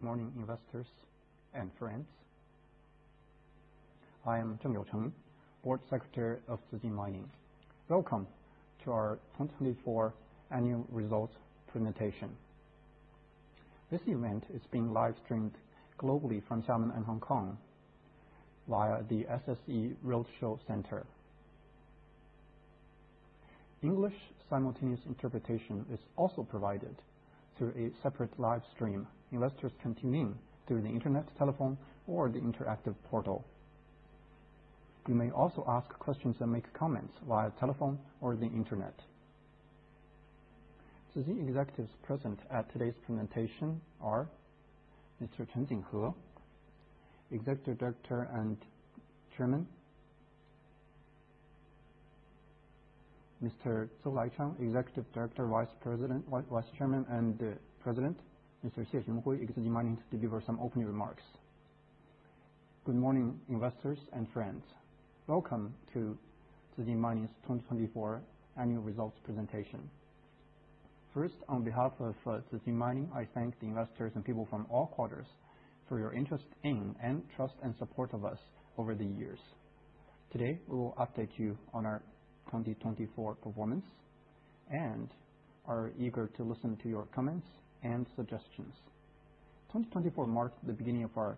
Good morning investors and friends. I am Zheng Youcheng, Board Secretary of Zijin Mining. Welcome to our 2024 annual results presentation. This event is being live streamed globally from Xiamen and Hong Kong via the SSE Roadshow Center. English. Simultaneous interpretation is also provided through a separate live stream. Investors can tune in through the Internet, telephone or the interactive portal. You may also ask questions and make comments via telephone or the Internet. The executives present at today's presentation are Mr. Chen Jinghe, Executive Director and Chairman. Mr. Zou Laichang, Executive Director, Vice President, Vice Chairman and President Mr. Xie Xionghui, Zijin Mining to deliver some opening remarks. Good morning investors and friends. Welcome to Zijin Mining's 2024 annual results presentation. First, on behalf of Zijin Mining, I thank the investors and people from all quarters for your interest in and trust and support of us over the years. Today, we will update you on our 2024 performance and are eager to listen to your comments and suggestions. 2024 marked the beginning of our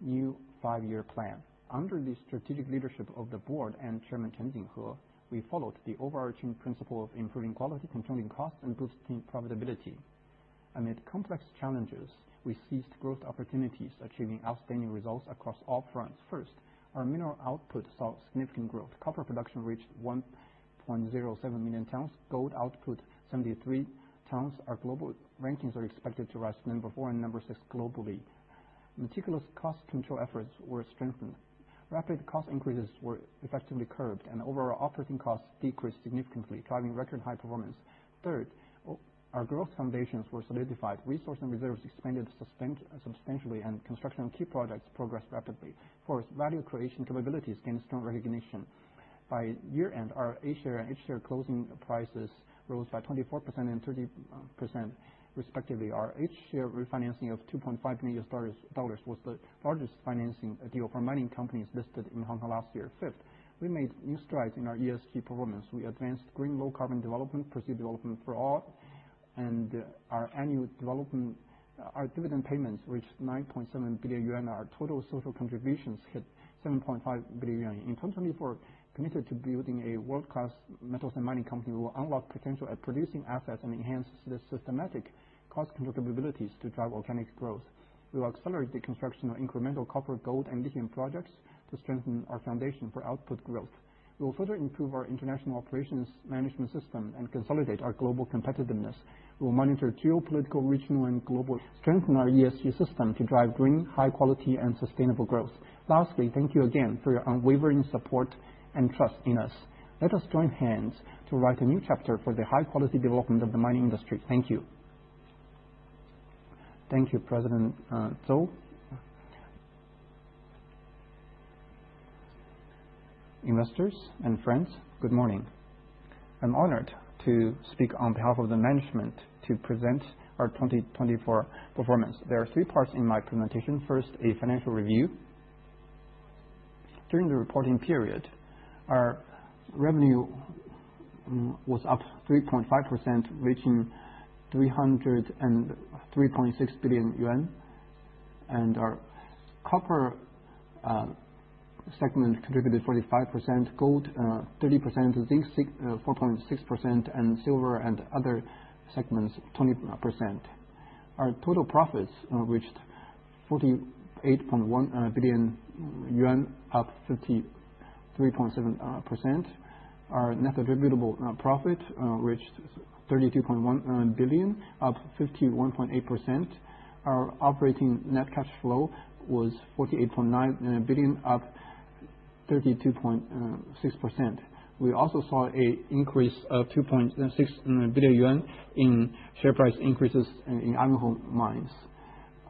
new Five Year Plan. Under the strategic leadership of the Board and Chairman Chen Jinghe, we followed the overarching principle of improving quality, controlling costs and boosting profitability. Amid complex challenges, we seized growth opportunities, achieving outstanding results across all fronts. First, our mineral output saw significant growth. Copper production reached 1.07 million tons, gold output 73 tons. Our global rankings are expected to rise to number four and number six globally. Meticulous cost control efforts were strengthened, rapid cost increases were effectively curbed and overall operating costs decreased significantly, driving record high performance. Third, our growth foundations were solidified, resource and reserves expanded substantially and construction of key projects progressed rapidly. Fourth, value creation capabilities gained strong recognition. By year end, our A-share and H-share closing prices rose by 24% and 30% respectively. Our H-share refinancing of $2.5 million was the largest financing deal for mining companies listed in Hong Kong last year. Fifth, we made new strides in our ESG performance. We advanced green low carbon development, perceived development for all and our annual development. Our dividend payments reached 9.7 billion yuan. Our total social contributions hit 7.5 billion yuan. In 2024, committed to building a world class metals and mining company will unlock potential at producing assets and enhance the systematic cost control capabilities to drive organic growth. We will accelerate the construction of incremental copper, gold and lithium projects to strengthen our foundation for output growth. We will further improve our international operations management system and consolidate our global competitiveness. We will monitor geopolitical, regional and global strengthen our ESG system to drive green high quality and sustainable growth. Lastly, thank you again for your unwavering support and trust in us. Let us join hands to write a new chapter for the high quality development of the mining industry. Thank you. Thank you, President Zou. Investors and friends, good morning. I'm honored to speak on behalf of the management to present our 2024 performance. There are three parts in my presentation. First, a financial review. During the reporting period, our revenue was up 3.5% reaching 303.6 billion yuan and our copper segment contributed 45%, gold, 30%, zinc 4.6% and silver and other segments 20%. Our total profits reached 48.1 billion yuan, up 53.7%. Our net attributable profit reached 32.1 billion, up 51.8%. Our operating net cash flow was 48.9 billion, up 32.6%. We also saw an increase of 2.6 billion yuan in share price increases in [agro] mines.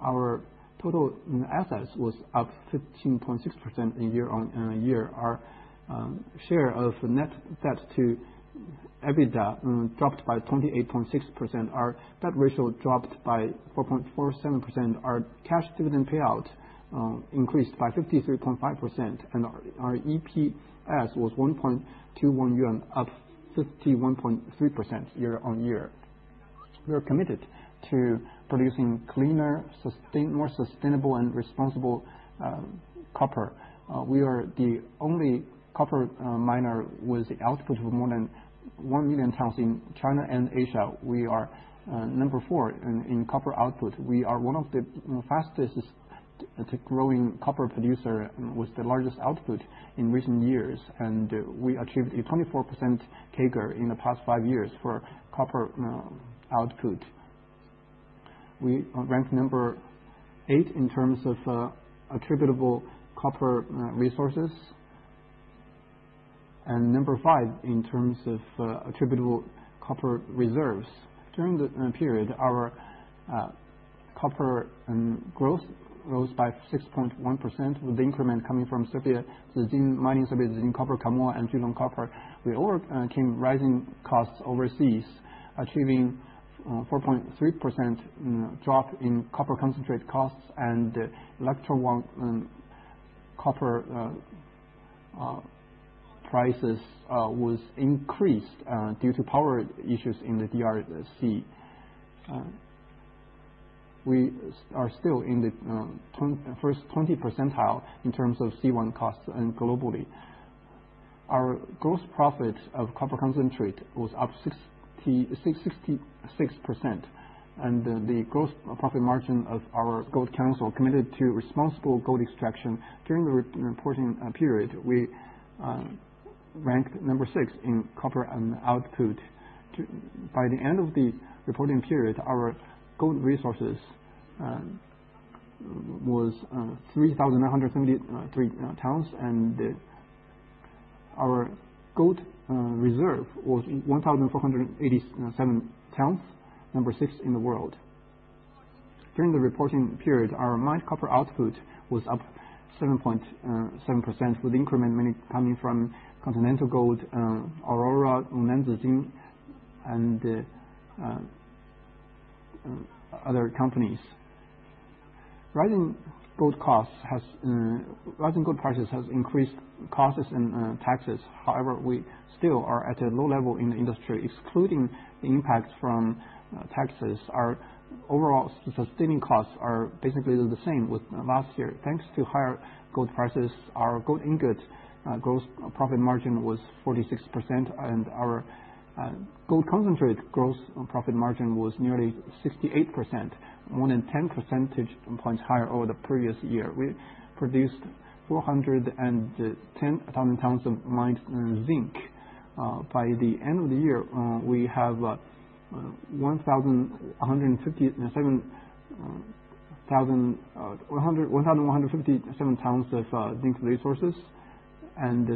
Our total assets was up 15, 15.6%. Year on year, our share of net debt to EBITDA dropped by 28.6%. Our debt ratio dropped by 4.47%. Our cash dividend payout increased by 53.5% and our EPS was 1.21 yuan, up 51.3% year on year. We are committed to producing cleaner, more sustainable and responsible copper. We are the only copper miner with the output of more than 1 million tons in China and Asia, we are number four in copper output. We are one of the fastest growing copper producer with the largest output in recent years and we achieved 24% CAGR in the past five years for copper output. We ranked number eight in terms of attributable copper resources and number five in terms of attributable copper reserves. During the period, our copper growth rose by 6.1% with the increment coming from Sofia, the zinc mining services in Copper, Kamoa and Julong Copper. We overcame rising costs overseas, achieving 4.3% drop in copper concentrate costs and electron copper prices was increased due to power issues in the DRC. We are still in the first 20 percentile in terms of C1 costs. Globally, our gross profit of copper concentrate was up 66%. And the gross profit margin of our Gold Council committed to responsible gold extraction. During the reporting period, we ranked number six in copper output. By the end of the reporting period, our gold resources was 3,973 tons and our gold reserve was 1,487 tons, number six in the world. During the reporting period, our mined copper output was up 7.7% with increments mainly coming from Continental Gold, Aurora [Gold Zinc] and other companies. Rising gold costs. Rising gold prices has increased costs and taxes. However, we still are at a low level in the industry excluding the impact from taxes. Our overall sustaining costs are basically the same with last year. Thanks to higher gold prices, our gold ingot gross profit margin was 46% and our gold concentrate gross profit margin was nearly 68%, more than 10 percentage points higher over the previous year. We produced 410,000 tons of mined zinc by the end of the year. We have 157,000 tons of zinc resources and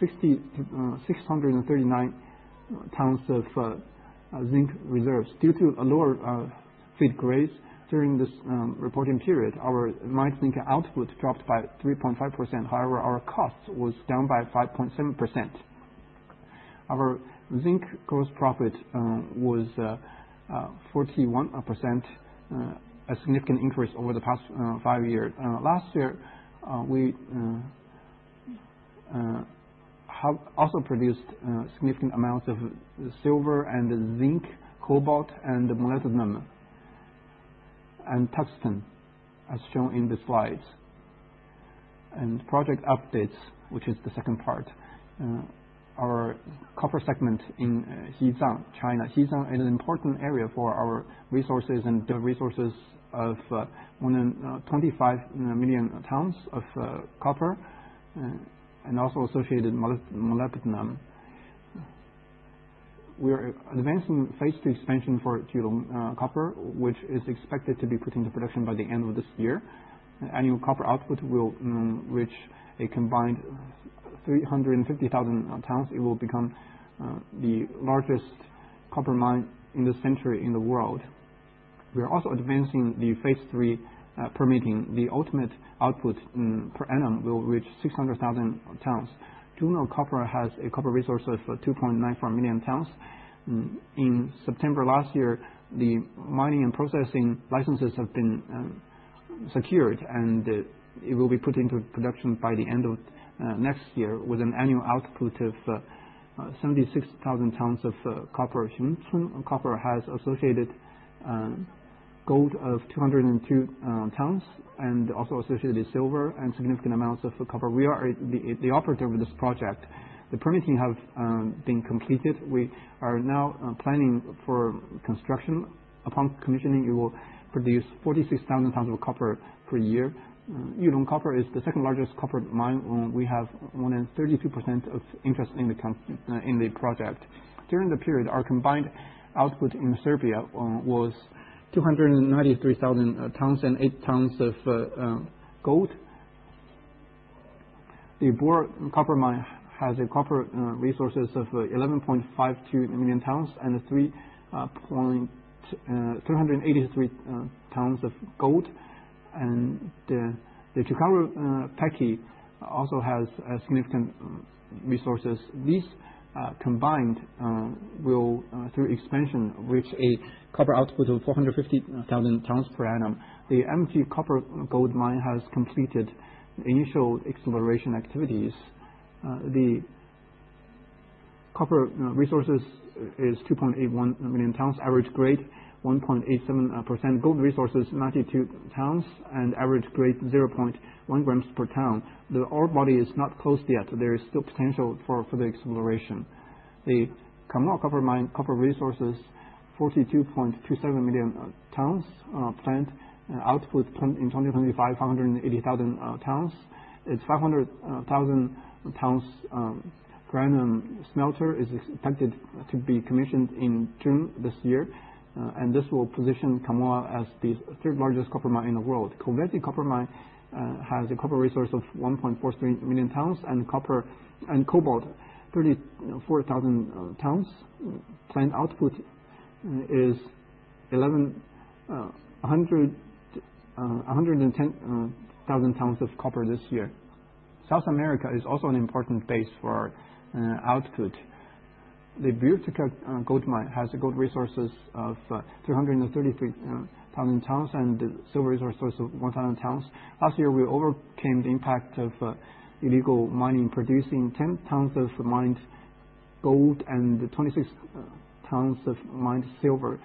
639 tons of zinc reserves due to lower feed grades. During this reporting period, our mined zinc output dropped by 3.5%. However, our cost was down by 5.7%. Our zinc gross profit was 41%, a significant increase over the past five years. Last year we also produced significant amounts of silver and zinc, cobalt and molybdenum and tungsten as shown in the slides and project updates which is the second part. Our copper segment in [Zijinshan] China. [Zijinshan] is an important area for our resources and resources of more than 25 million tons of copper and also associated molybdenum. We are advancing phase two expansion for Julong Copper which is expected to be put into production by the end of this year. Annual copper output will reach a combined 350,000 tons. It will become the largest copper mine in the century in the world. We are also advancing the phase three permitting. The ultimate output per annum will reach 600,000 tons. Julong Copper has a copper resource of 2.94 million tons. In September last year, the mining and processing licenses have been secured and it will be put into production by the end of next year with an annual output of 76,000 tons of copper. Copper has associated gold of 202 tons and also associated with silver and significant amounts of copper. We are the operator of this project. The permitting have been completed. We are now planning for construction. Upon commissioning, it will produce 46,000 tons of copper per year. Julong Copper is the second largest copper mine. We have more than 32% of interest in the project. During the period, our combined output In Serbia was 293,000 tons and 8 tons of gold. The Bor copper mine has copper resources of 11.52 million tons and 383 tons of gold and the Cukaru Peki also has significant resources. These combined will through expansion reach a copper output of 450,000 tons per annum. The [MT] copper gold mine has completed initial exploration activities. The copper resources is 2.81 million tons, average grade 1.87% gold resources 92 tones and average grade 0.1 grams per ton. The ore body is not closed yet. There is still potential for further exploration. The Kamoa copper mine copper resources 42.27 million tons plant output plant in 2025 580,000 tons. Its 500,000 tons per annum smelter is expected to be commissioned in June this year and this will position Kamoa as the third largest copper mine in the world. [Kolwezii] copper mine has a copper resource of 1.43 million tons and copper and cobalt 34,000 tons. Plant output is 110,000 tons of copper this year. South America is also an important base for output. The Buritica gold mine has gold resources of 333,000 tons and silver resources of 1,000 tons. Last year we overcame the impact of illegal mining producing 10 tons of mined gold and 26 tons of mined silver.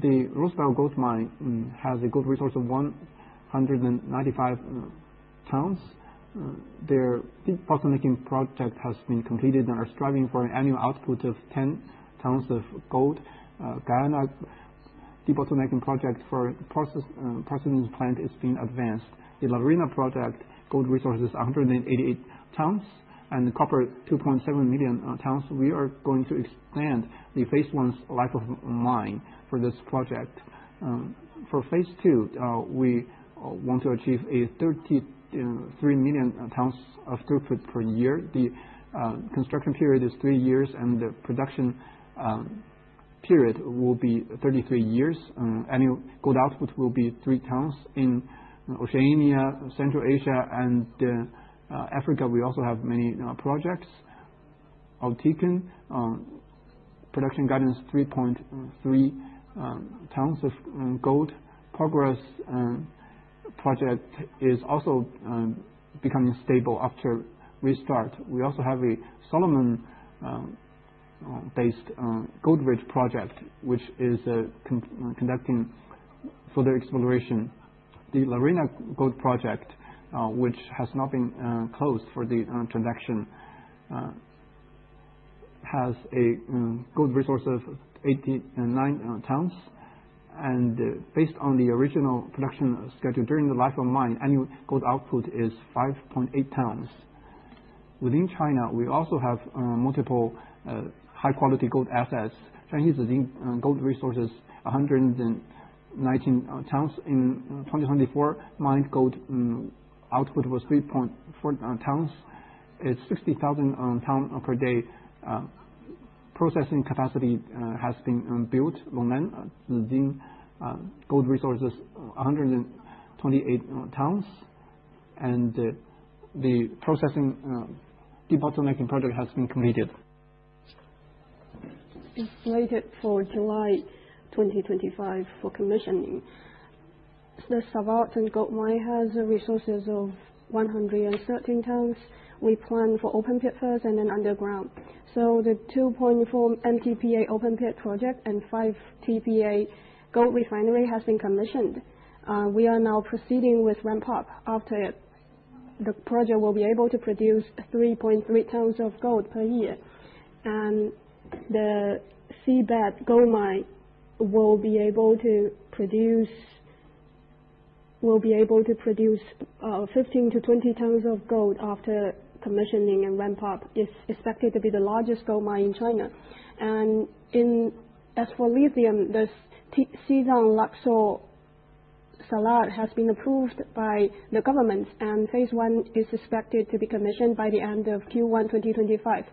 The Roosevelt Gold Mine has a gold resource of 195 tons. Their debottlenecking project has been completed and are striving for an annual output of 10 tons of gold. Guyana debottlenecking project for porcelain plant is being advanced. The Lavrinhaa project gold resources 188 tons and copper 2.7 million tons. We are going to expand the phase one life of mine for this project. For phase two, we want to achieve 33 million tons of throughput per year. The construction period is three years and the production period will be 33 years. Annual gold output will be 3 tons in Oceania, Central Asia and Africa. We also have many projects. Production guidance 3.3 tons of gold progress project is also becoming stable after restart. We also have a Solomon-based Gold Ridge project which is conducting further exploration. The La Arena gold project which has not been closed for the transaction has a gold resource of 89 tons and based on the original production schedule during the life of mine, annual gold output is 5.8 tons. Within China we also have multiple high quality gold assets. Chinese gold resources 119 tons. In 2024, mined gold output was 3.4 tons. It's 60,000 tons per day. Processing capacity has been built. Gold resources 128 tons and the processing debottlenecking project has been completed. Slated for July 2025. For commissioning, the [Sawaya'erdun] Gold Mine has resources of 113 tons. We plan for open pit first and then underground. The 2.4 Mtpa open pit project and 5 tpa gold refinery has been commissioned. We are now proceeding with ramp up after the project will be able to produce 3.3 tons of gold per year and the seabed gold mine will be able to produce 15 to 20 tons of gold after commissioning and ramp up. It's expected to be the largest gold mine in China. As for lithium, the Xizang Lakkor Salar has been approved by the government and phase one is expected to be commissioned by the end of Q1 2025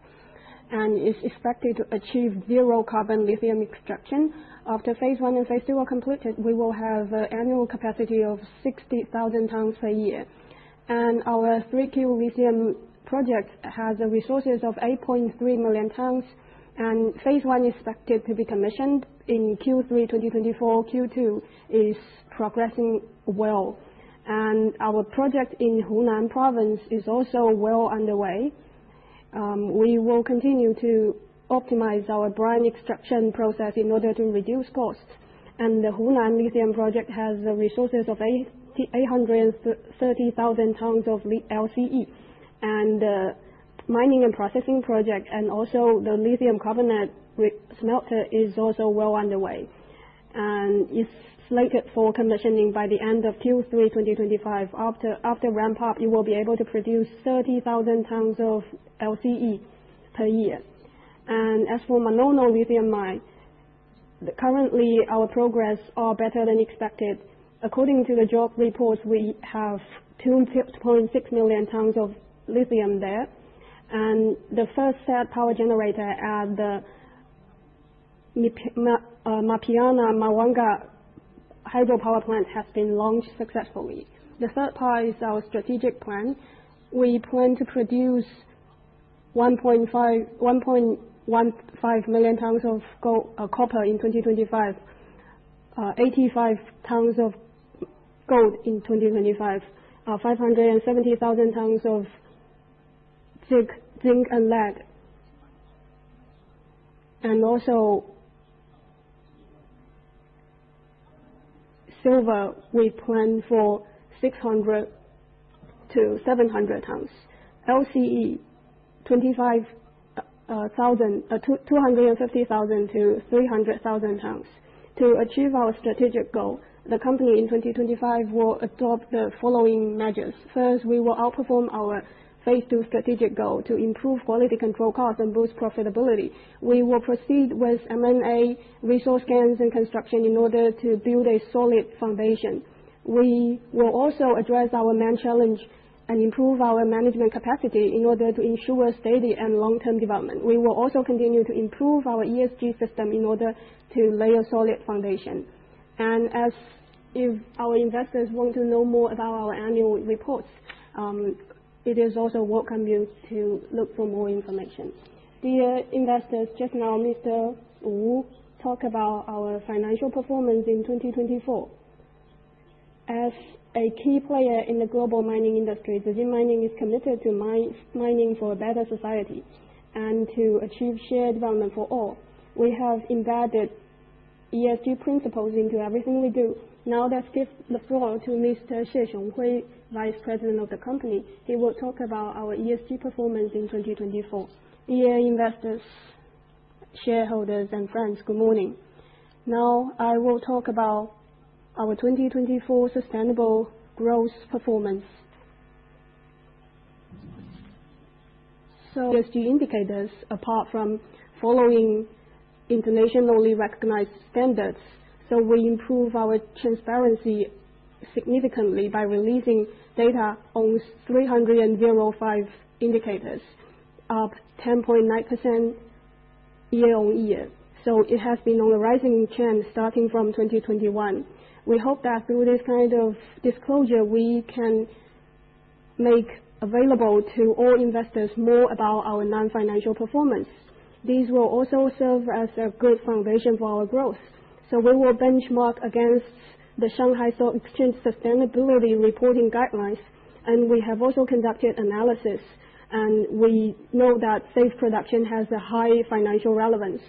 and is expected to achieve zero carbon lithium extraction. After phase one and phase two are completed, we will have an annual capacity of 60,000 tons per year and our 3Q lithium project has resources of 8.3 million tons of and phase one is expected to be commissioned in Q3 2024. Q2 is progressing well and our project in Hunan province is also well underway. We will continue to optimize our brine extraction process in order to reduce costs and the Hunan lithium project has resources of 830,000 tons of LCE and mining and processing project and also the lithium carbonate smelter is also well underway and it's slated for commissioning by the end of Q3 2025. After ramp up you will be able to produce 30,000 tons of LCE per year. And as for Manono lithium mine, currently our progress are better than expected. According to the job reports, we have 2.6 million tons of lithium there and the first SAT power generator at the Mapiana Mwanga Hydropower Plant has been launched successfully. The third part is our strategic plan. We plan to produce 1.15 million tons of copper in 2025, 85 tons of gold in 2025, 570,000 tons of zinc, zinc and lead and also silver, we plan for 600 to 700 tons. LCE 250,000 tons-300,000 tons. To achieve our strategic goal, the company in 2025 will adopt the following measures. First, we will outperform our phase two strategic goal to improve quality control costs and boost profitability. We will proceed with M&A resource scans and construction in order to build a solid foundation. We will also address our main challenge and improve our management capacity in order to ensure steady and long term development. We will also continue to improve our ESG system in order to lay a solid foundation. And as if our investors want to know more about our annual reports, it is also welcome you to look for more information. Dear investors, just now Mr. Wu talk about our financial performance in 2024 as a key player in the global mining industry. Zijin Mining is committed to mining for a better society and to achieve shared value for all. We have embedded ESG principles into everything we do. Now let's give the floor to Mr. Xie Xionghui, Vice President of the company. He will talk about our ESG performance in 2024. Dear investors, shareholders and friends, Good morning. Now I will talk about our 2024 sustainable gross performance. So ESG indicators apart from following internationally recognized standards so we improve our transparency significantly by releasing data on 305 indicators up 10.9% year on year so it has been on the rising trend starting from 2021. We hope that through this kind of disclosure we can make available to all investors more about our non-financial performance. These will also serve as a good foundation for our growth so we will benchmark against the Shanghai Stock Exchange Sustainability Reporting Guidelines and we have also conducted analysis and we know that safe production has a high financial relevance.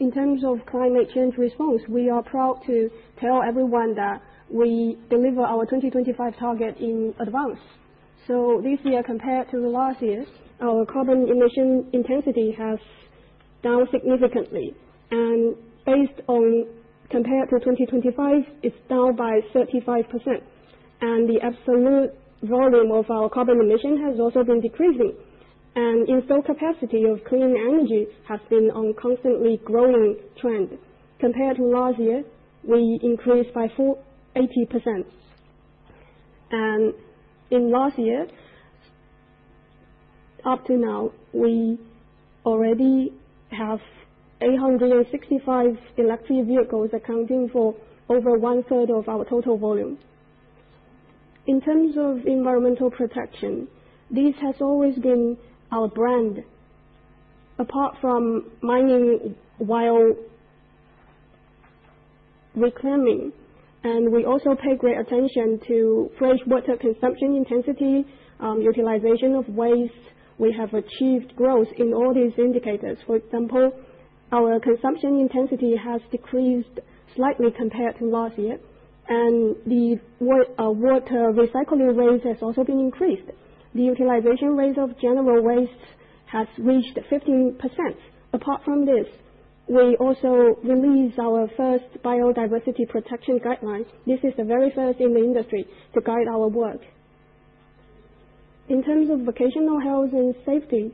In terms of climate change response, we are proud to tell everyone that we deliver our 2025 target in advance. So this year compared to the last year, our carbon emission intensity has down significantly and based on compared to 2025 it's down by 35%. And the absolute volume of our carbon emission has also been decreasing and installed capacity of clean energy has been on constantly growing trend. Compared to last year we increased by 80% and in last year up to now, we already have 865 electric vehicles accounting for over 1/3 of our total volume. In terms of environmental protection, this has always been our brand apart from mining while reclaiming and we also pay great attention to fresh water consumption intensity utilization of waste we have achieved growth in all these indicators. For example, our consumption intensity has decreased slightly compared to last year and the water recycling waste has also been increased. The utilization rate of general waste has reached 15%. Apart from this, we also released our first biodiversity protection guideline. This is the very first in the industry to guide our work. In terms of vocational health and safety,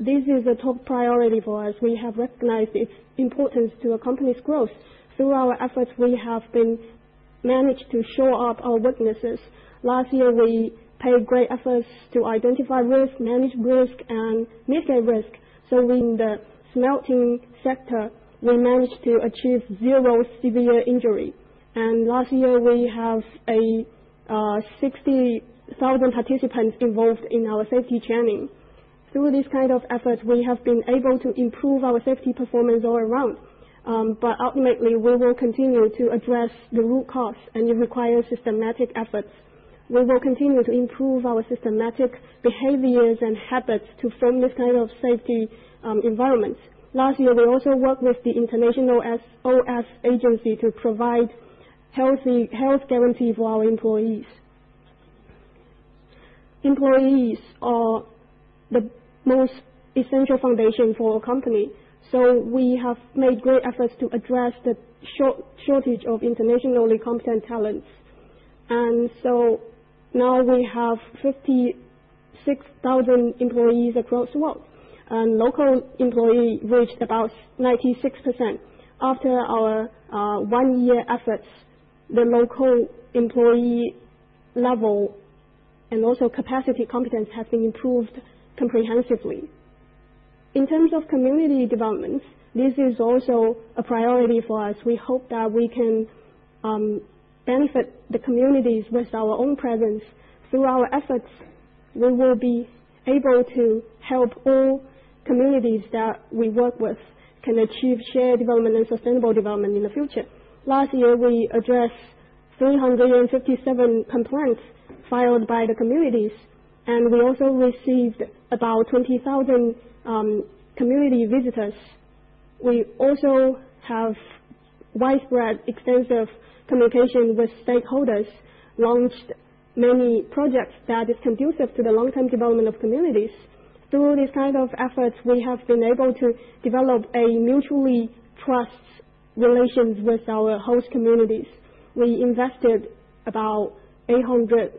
this is a top priority for us. We have recognized its importance to a company's growth. Through our efforts, we have been managed to show up our weaknesses. Last year we paid great efforts to identify risk, manage risk and mitigate risk. So in the smelting sector we managed to achieve zero severe injury. And last year we have 60,000 participants involved in our safety training. Through this kind of effort, we have been able to improve our safety performance all around. But ultimately we will continue to address the root cause and require systematic efforts. We will continue to improve our systematic behaviors and habits to frame this kind of safety environment. Last year we also worked with the international OS agency to provide healthy health guarantee for our employees. Employees are the most essential foundation for a company. So we have made great efforts to address the shortage of internationally competent talents. And so now we have 56,000 employees across the world and local employee reached about 96%. After our one year efforts, the local employee level and also capacity competence have been improved comprehensively. In terms of community development, this is also a priority for us. We hope that we can benefit the communities with our own presence. Through our efforts, we will be able to help all communities that we we work with can achieve shared development and sustainable development in the future. Last year we addressed 357 complaints filed by the communities and we also received about 20,000 community visitors. We also have widespread extensive communication with stakeholders launched many projects that is conducive to the long term development of communities. Through this kind of effort, we have been able to develop a mutually trust relations with our host communities. We invested about 812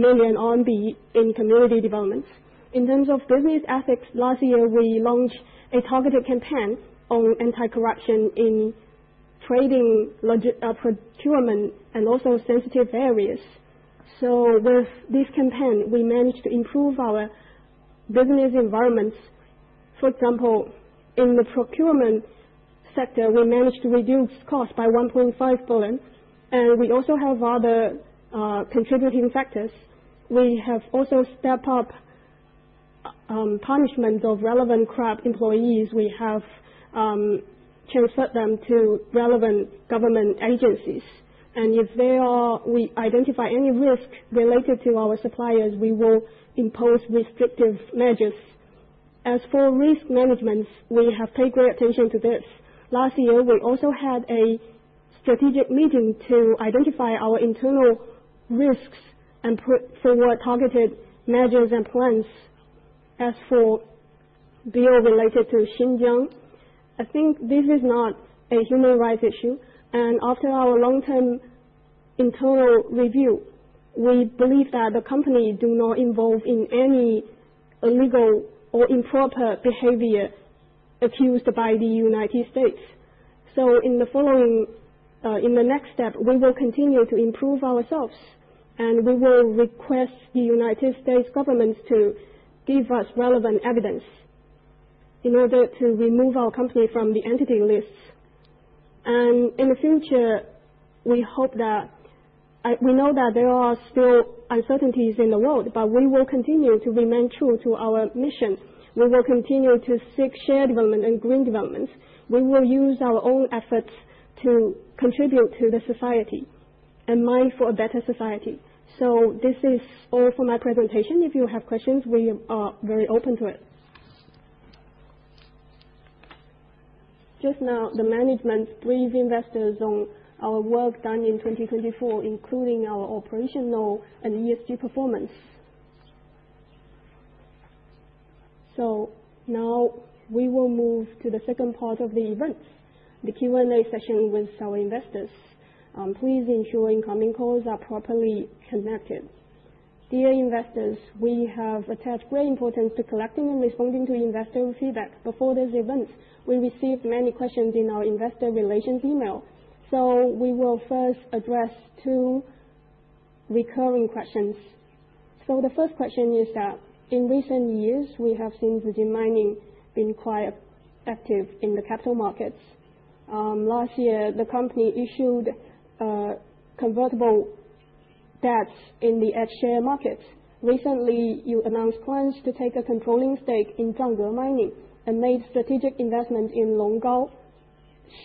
million RMB in community development. In terms of business ethics, last year we launched a targeted campaign on anti-corruption in trading, procurement and also sensitive areas. So with this campaign we managed to improve our business environment. For example, in the procurement sector, we managed to reduce cost by 1.5 billion. And we also have other contributing factors. We have also stepped up punishment of relevant employees. We have transferred them to relevant government agencies and if we identify any risk related to our suppliers, we will impose restrictive measures. As for risk management, we have paid great attention to this. Last year we also had a strategic meeting to identify our internal risks and put forward targeted measures and plans. As for bill related to Xinjiang, I think this is not a human rights issue. And after our long term internal review, we believe that the company do not involve in any illegal or improper behavior accused by the United States. So in the following in the next step, we will continue to improve ourselves and we will request the United States government to give us relevant evidence in order to remove our company from the entity list. And in the future, we know that there are still uncertainties in the world, but we will continue to remain true to our mission. We will continue to seek shared development and green development. We will use our own efforts to contribute to the society and mind for a better society. So this is all for my presentation. If you have questions, we are very open to it. Just now, the management brief investors on our work done in 2024, including our operational and ESG performance so now we will move to the second part of the event, the Q&A session with our investors. Please ensure incoming calls are properly connected. Dear investors, we have attached great importance to collecting and responding to investor feedback. Before this event, we received many questions in our investor relations email. So we will first address two recurring questions. So the first question is that in recent years, we have seen Zijin Mining been quite active in the capital markets. Last year, the company issued convertible debts in the edge share markets. Recently, you announced plans to take a controlling stake in Zangge Mining and made strategic investment in [Longking]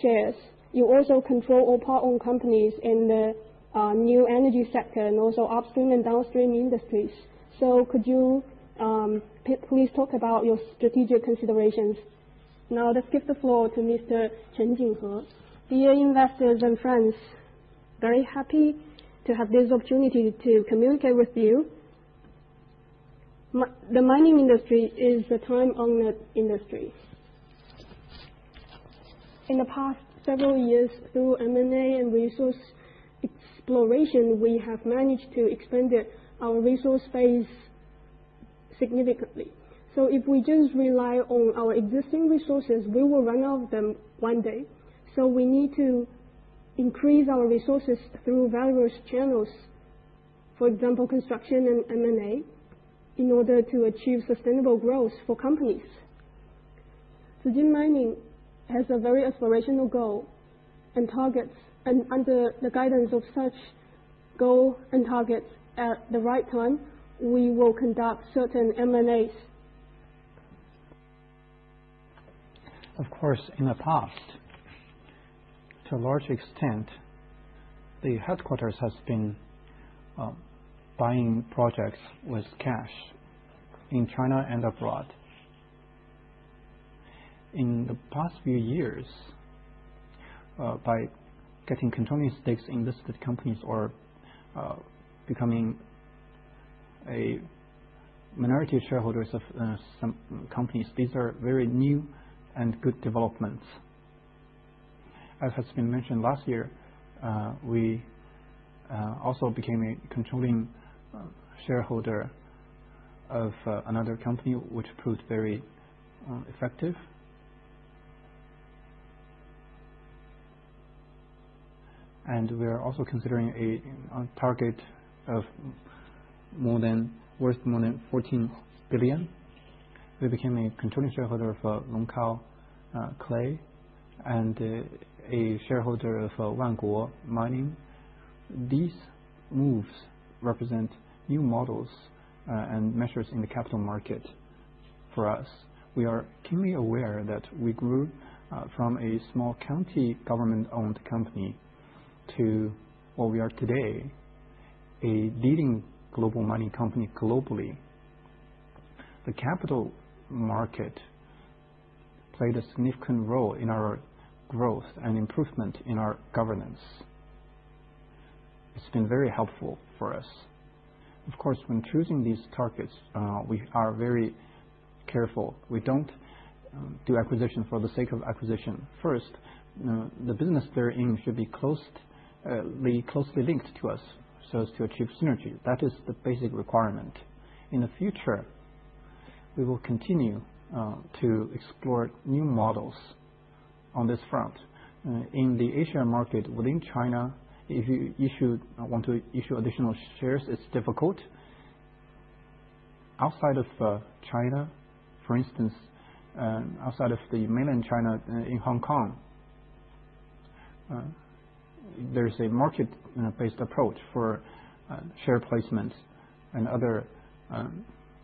shares. You also control or part owned companies in the new energy sector and also upstream and downstream industries. So could you please talk about your strategic considerations? Now, let's give the floor to Mr. Chen Jinghe. Dear investors and friends, very happy to have this opportunity to communicate with you. The mining industry is the time honored industry. In the past several years, through M&A and resource exploration, we have managed to expand our resource base significantly. So if we just rely on our existing resources, we will run out of them one day. So we need to increase our resources through various channels. For example, construction and M&A in order to achieve sustainable growth for companies. Zijin Mining has a very aspirational goal. Under the guidance of such goal and targets, at the right time, we will conduct certain M&A. Of course, in the past, to a large extent, the headquarters has been buying projects with cash in China and abroad. In the past few years, by getting controlling stakes in listed companies or becoming a minority shareholder of some companies. These are very new and good developments. As has been mentioned, last year, we also became a controlling shareholder of another company which proved very effective. And we are also considering a target worth more than 14 billion. We became a controlling shareholder for [Longking] and a shareholder of Wanguo Mining. These moves represent new models and measures in the capital market for us. We are keenly aware that we grew from a small county government-owned company to what we are today, a leading global mining company globally, The capital market played a significant role in our growth and improvement in our governance. It's been very helpful for us. Of course, when choosing these targets, we are very careful. We don't do acquisition for the sake of acquisition. First, the business they're in should be closely linked to us so as to achieve synergy. That is the basic requirement. In the future, we will continue to explore new models on this front in the Asia market within China, if you want to issue additional shares, it's difficult. Outside of China for instance, outside of the Mainland China in Hong Kong, there is a market based approach for share placements and other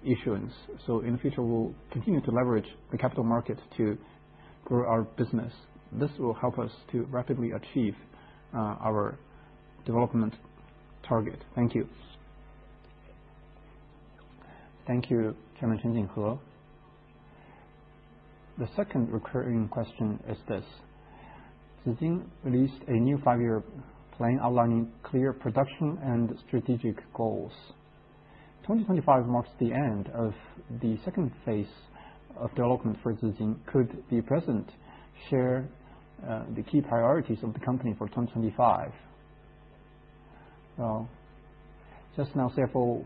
issuance. So in the future, we'll continue to leverage the capital market to grow our business. This will help us to rapidly achieve our development target. Thank you. Thank you, Chairman Chen Jinghe. The second recurring question is this. Zijin released a new Five year Plan outlining clear production and strategic goals. 2025 marks the end of the second phase of development for Zijin. Could the president share the key priorities of the company for 2025? Just now, CFO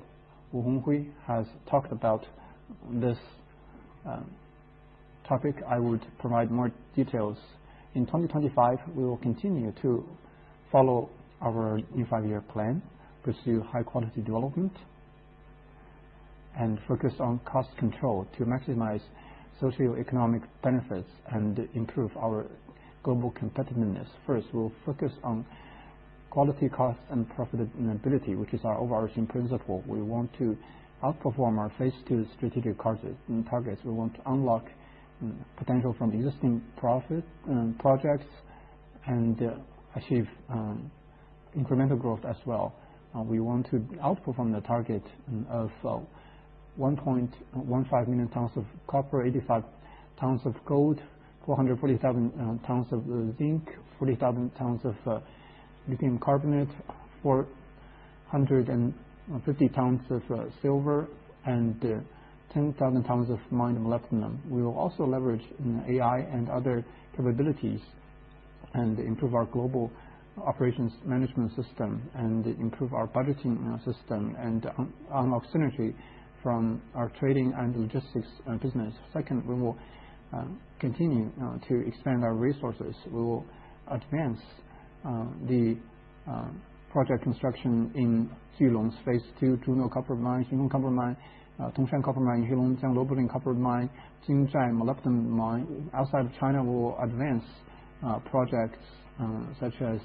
Wu Jianhui has talked about this topic. I would provide more details. In 2025, we will continue to follow our new Five year Plan, pursue high quality development and focus on cost control to maximize socioeconomic benefits and improve our global competitiveness. First, we'll focus on quality, cost and profitability which is our overarching principle. We want to outperform our phase two strategic targets. We want to unlock potential from existing projects and achieve incremental growth as well. We want to outperform the target of 1.15 million tons of copper, 85 tons of gold, 440,000 tons of zinc, 40,000 tons of lithium carbonate, 450 tons of silver and 10,000 tons of mined molybdenum. We will also leverage AI and other capabilities and improve our global operations management system and improve our budgeting system and unlock synergy from our trading and logistics business. Second, we will continue to expand our resources. We will advance the project construction in Julong Phase 2 Julong Copper Mine, [Zijinshan] Copper Mine, Tongshan Copper Mine, Heilongjiang Molybdenum and Copper Mine, Jinzhai Molybdenum Mine. Outside of China will advance projects such as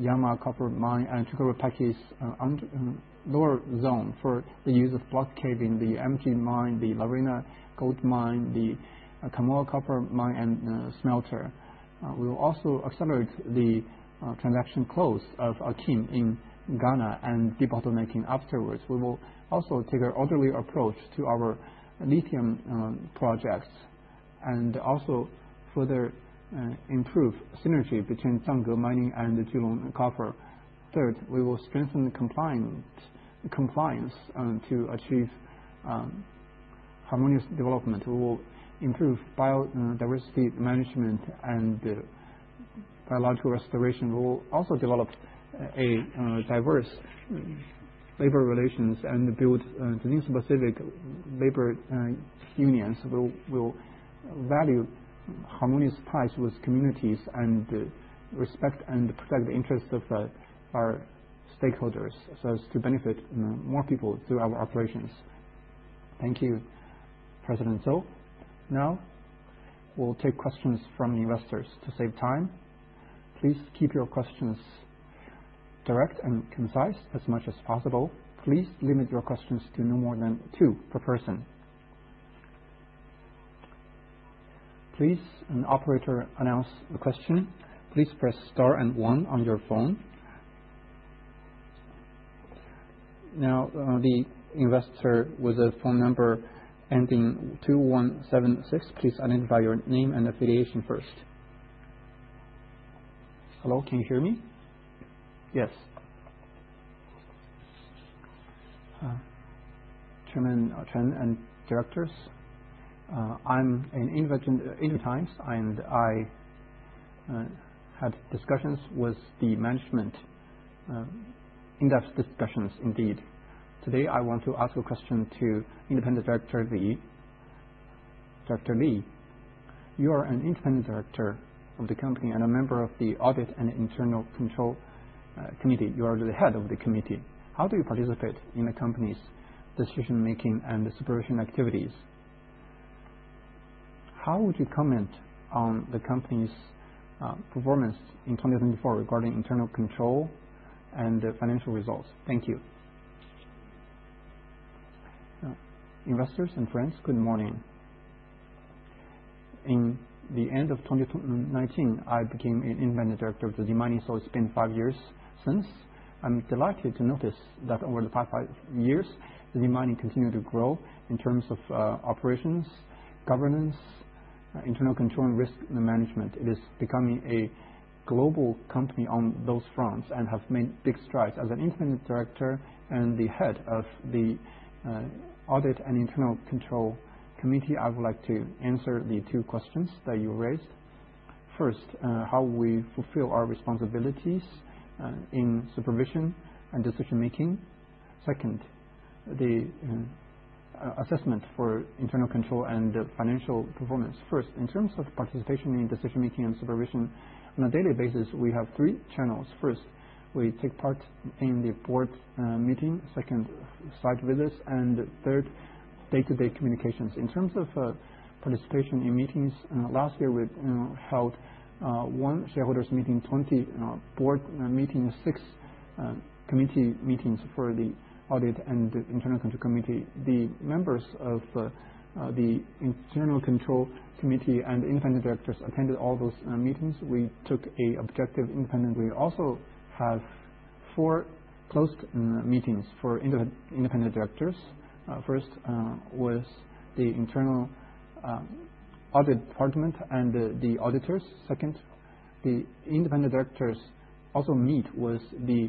[Yama] Copper Mine and Cukaru Peki's lower zone for the [use of block caving in the MG Mine], the La Arena Gold Mine, the Kamoa Copper Mine and smelter. We will also accelerate the transaction close of Akyem in Ghana and debottlenecking afterwards. We will also take an orderly approach to our lithium projects and also further improve synergy between [Tsangu] Mining and Julong Copper. Third, we will strengthen the compliance compliance to achieve harmonious development. We will improve biodiversity management and biological restoration will also develop a diverse labor relations and build genuine [specific] labor unions, will value harmonious ties with communities and respect and protect the interests of our stakeholders so as to benefit more people through our operations. Thank you, President Zou. Now we'll take questions from investors to save time. Please keep your questions direct and concise as much as possible. Please limit your questions to no more than two per person. Please an operator announce the question. Please press star and one on your phone now. The investor with a phone number ending 2176 please identify your name and affiliation first. Hello, can you hear me? Yes, Chairman Chen and directors. I'm an [independent] and I had discussions with the management. In-depth discussions indeed. Today I want to ask a question to Independent Director Li. Director Li, you are an independent director of the company and a member of the Audit and Internal Control. You are the head of the committee. How do you participate in the company's decision making and supervision activities? How would you comment on the company's performance in 2024 regarding internal control and financial results? Thank you, investors and friends. Good morning. In the end of 2019, I became independent director of Zijin Mining. So it's been five years since. I'm delighted to notice that over the past five years, the Demining continues to grow in terms of operations, governance, internal control and risk management. It is becoming a global company on those fronts and have made big strides. As an Independent Director and the head of the Audit and Internal Control Committee. I would like to answer the two questions that you raised. First, how we fulfill our responsibilities in supervision and decision making. Second, the assessment for internal control and financial performance. First, in terms of participation in decision making and supervision on a daily basis, we have three channels. First, we take part in the board meeting. Second, site visits and third, day to day communications. In terms of participation in meetings, last year we held one shareholders meeting, 20 board meeting, six committee meetings for the Audit and Internal Control Committee. The members of the Internal Control Committee and independent directors attended all those meetings. We took a objective independently also have four closed meetings for independent directors. First, with the internal audit department and the auditors. Second, the independent directors also meet with the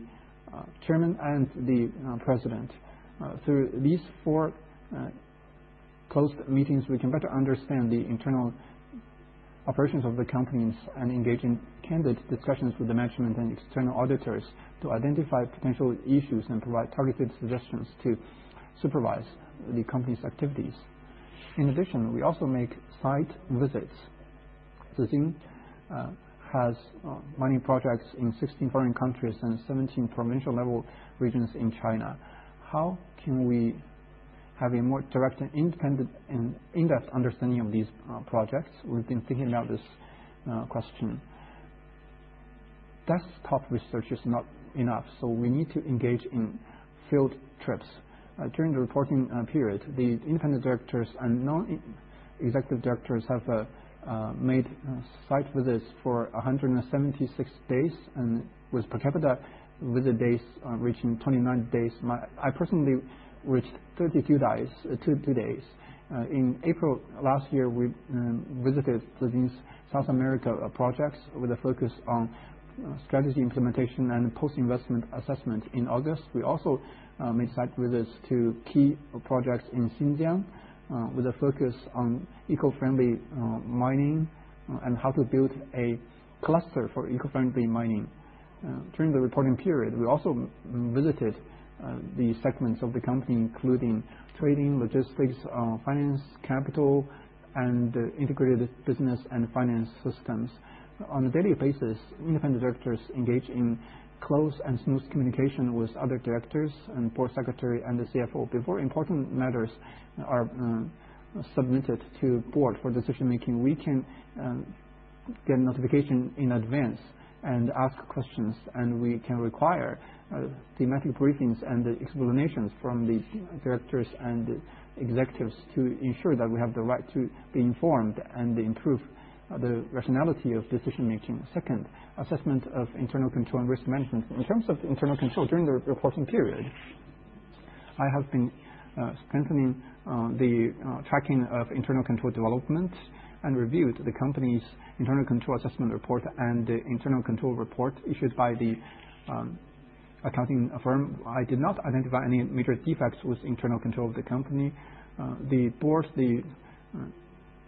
Chairman and the President. Through these four closed meetings, we can better understand the internal operations of the companies and engage in candid discussions with the management and external auditors to identify potential issues and provide targeted suggestions to supervise the company's activities. In addition, we also make site visits. Zijin has many projects in 16 foreign countries and 17 provincial level regions in China. How can we have a more direct, independent and in depth understanding of these projects? We've been thinking about this question. Desktop research is not enough, so we need to engage in field trips. During the reporting period, the independent directors and non executive directors have made site visits for 176 days and with per capita visit days reaching 29 days, I personally reached 32 days. In April last year, we visited Zijin's South America projects with a focus on strategy implementation and post investment assessment. In August, we also made site visits to key projects in Xinjiang with a focus on eco friendly mining and how to build a cluster for eco friendly mining. During the reporting period, we also visited the segments of the company including trading, logistics, finance, capital and integrated business and finance systems. On a daily basis, independent directors engage in close and smooth communication with other directors and Board secretary and the cfo before important matters are submitted to board for decision making. We can get notification in advance and ask questions, and we can require thematic briefings and explanations from the directors and executives to ensure that we have the right to be informed and improve the rationality of decision making. Second, assessment of Internal control and risk management. In terms of internal control during the reporting period, I have been strengthening the tracking of internal control development and reviewed the company's internal control assessment report and internal control report issued by the accounting firm. I did not identify any major defects with internal control of the company. The Board, the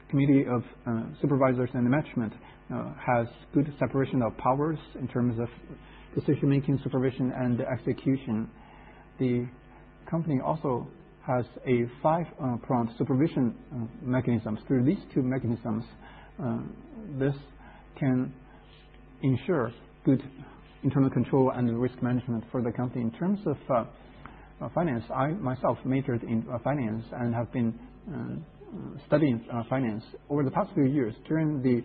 Committee of Supervisors and Management has good separation of powers in terms of decision making, supervision and execution. The company also has a five prompt supervision mechanism. Through these two mechanisms, this can ensure good internal control and risk management for the company. In terms of finance, I myself majored in finance and have been studying finance over the past few years. During the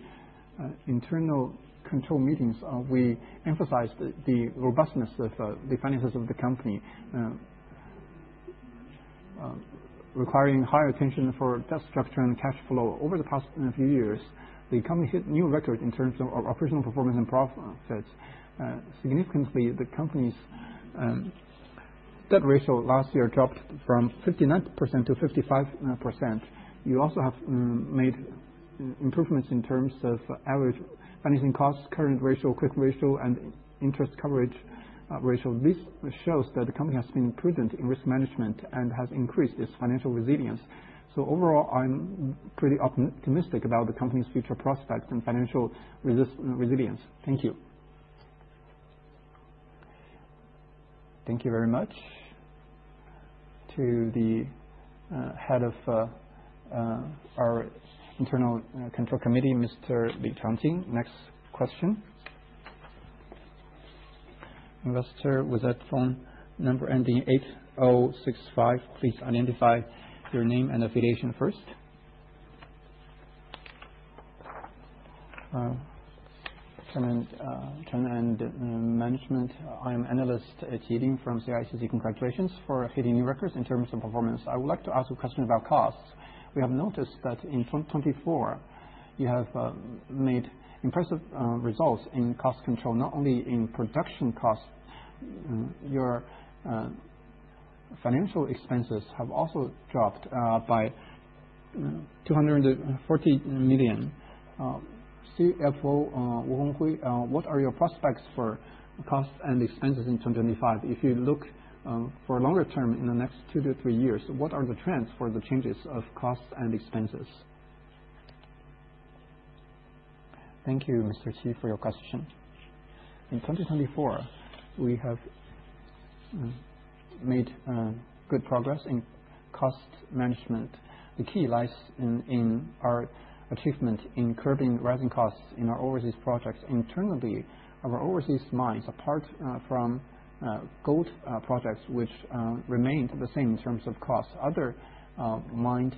internal control meetings on, we emphasized the robustness of the finances of the company, requiring higher attention for debt structure and cash flow. Over the past few years, the economy hit new record in terms of operational performance and profits. Significantly, the company's debt ratio last year dropped from 59% to 55%. You also have made improvements in terms of average financing costs, current ratio, quick ratio and interest coverage ratio. This shows that the company has been prudent in risk management and has increased its financial resilience. So overall, I'm pretty optimistic about the company's future prospects and financial resilience. Thank you. Thank you very much to the head of our Internal Control Committee, Mr. Li Changqing. Next question. Investor with that phone number ending 8065, please identify your name and affiliation first. I am [analyst Qi from CICC]. Congratulations for hitting new records. In terms of performance, I would like to ask a question about costs. We have noticed that in 2024 you have made impressive results in cost control, not only in production costs. Your financial expenses have also dropped by 240 million. CFO Wu Jianhui, what are your prospects for for costs and expenses in 2025? If you look for longer term, in the next two to three years, what are the trends for the changes of costs and expenses? Thank you, Mr. Qi, for your question. In 2024, we have made good progress in cost management. The key lies in our achievement in curbing rising costs in our overseas projects. Internally, our overseas mines, apart from gold projects which remained the same in terms of cost, other mined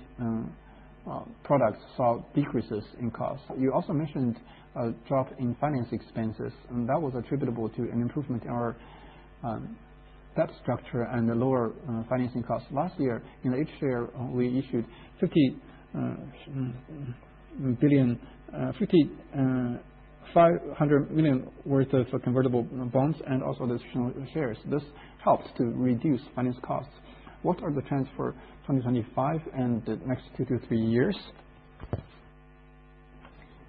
products saw decreases in cost. You also mentioned a drop in finance expenses, and that was attributable to an improvement in our debt structure and the lower financing costs. Last year in the H-shareC, we issued 500 million worth of convertible bonds and also additional shares. This helps to reduce finance costs. What are the trends for 2025 and next two to three years?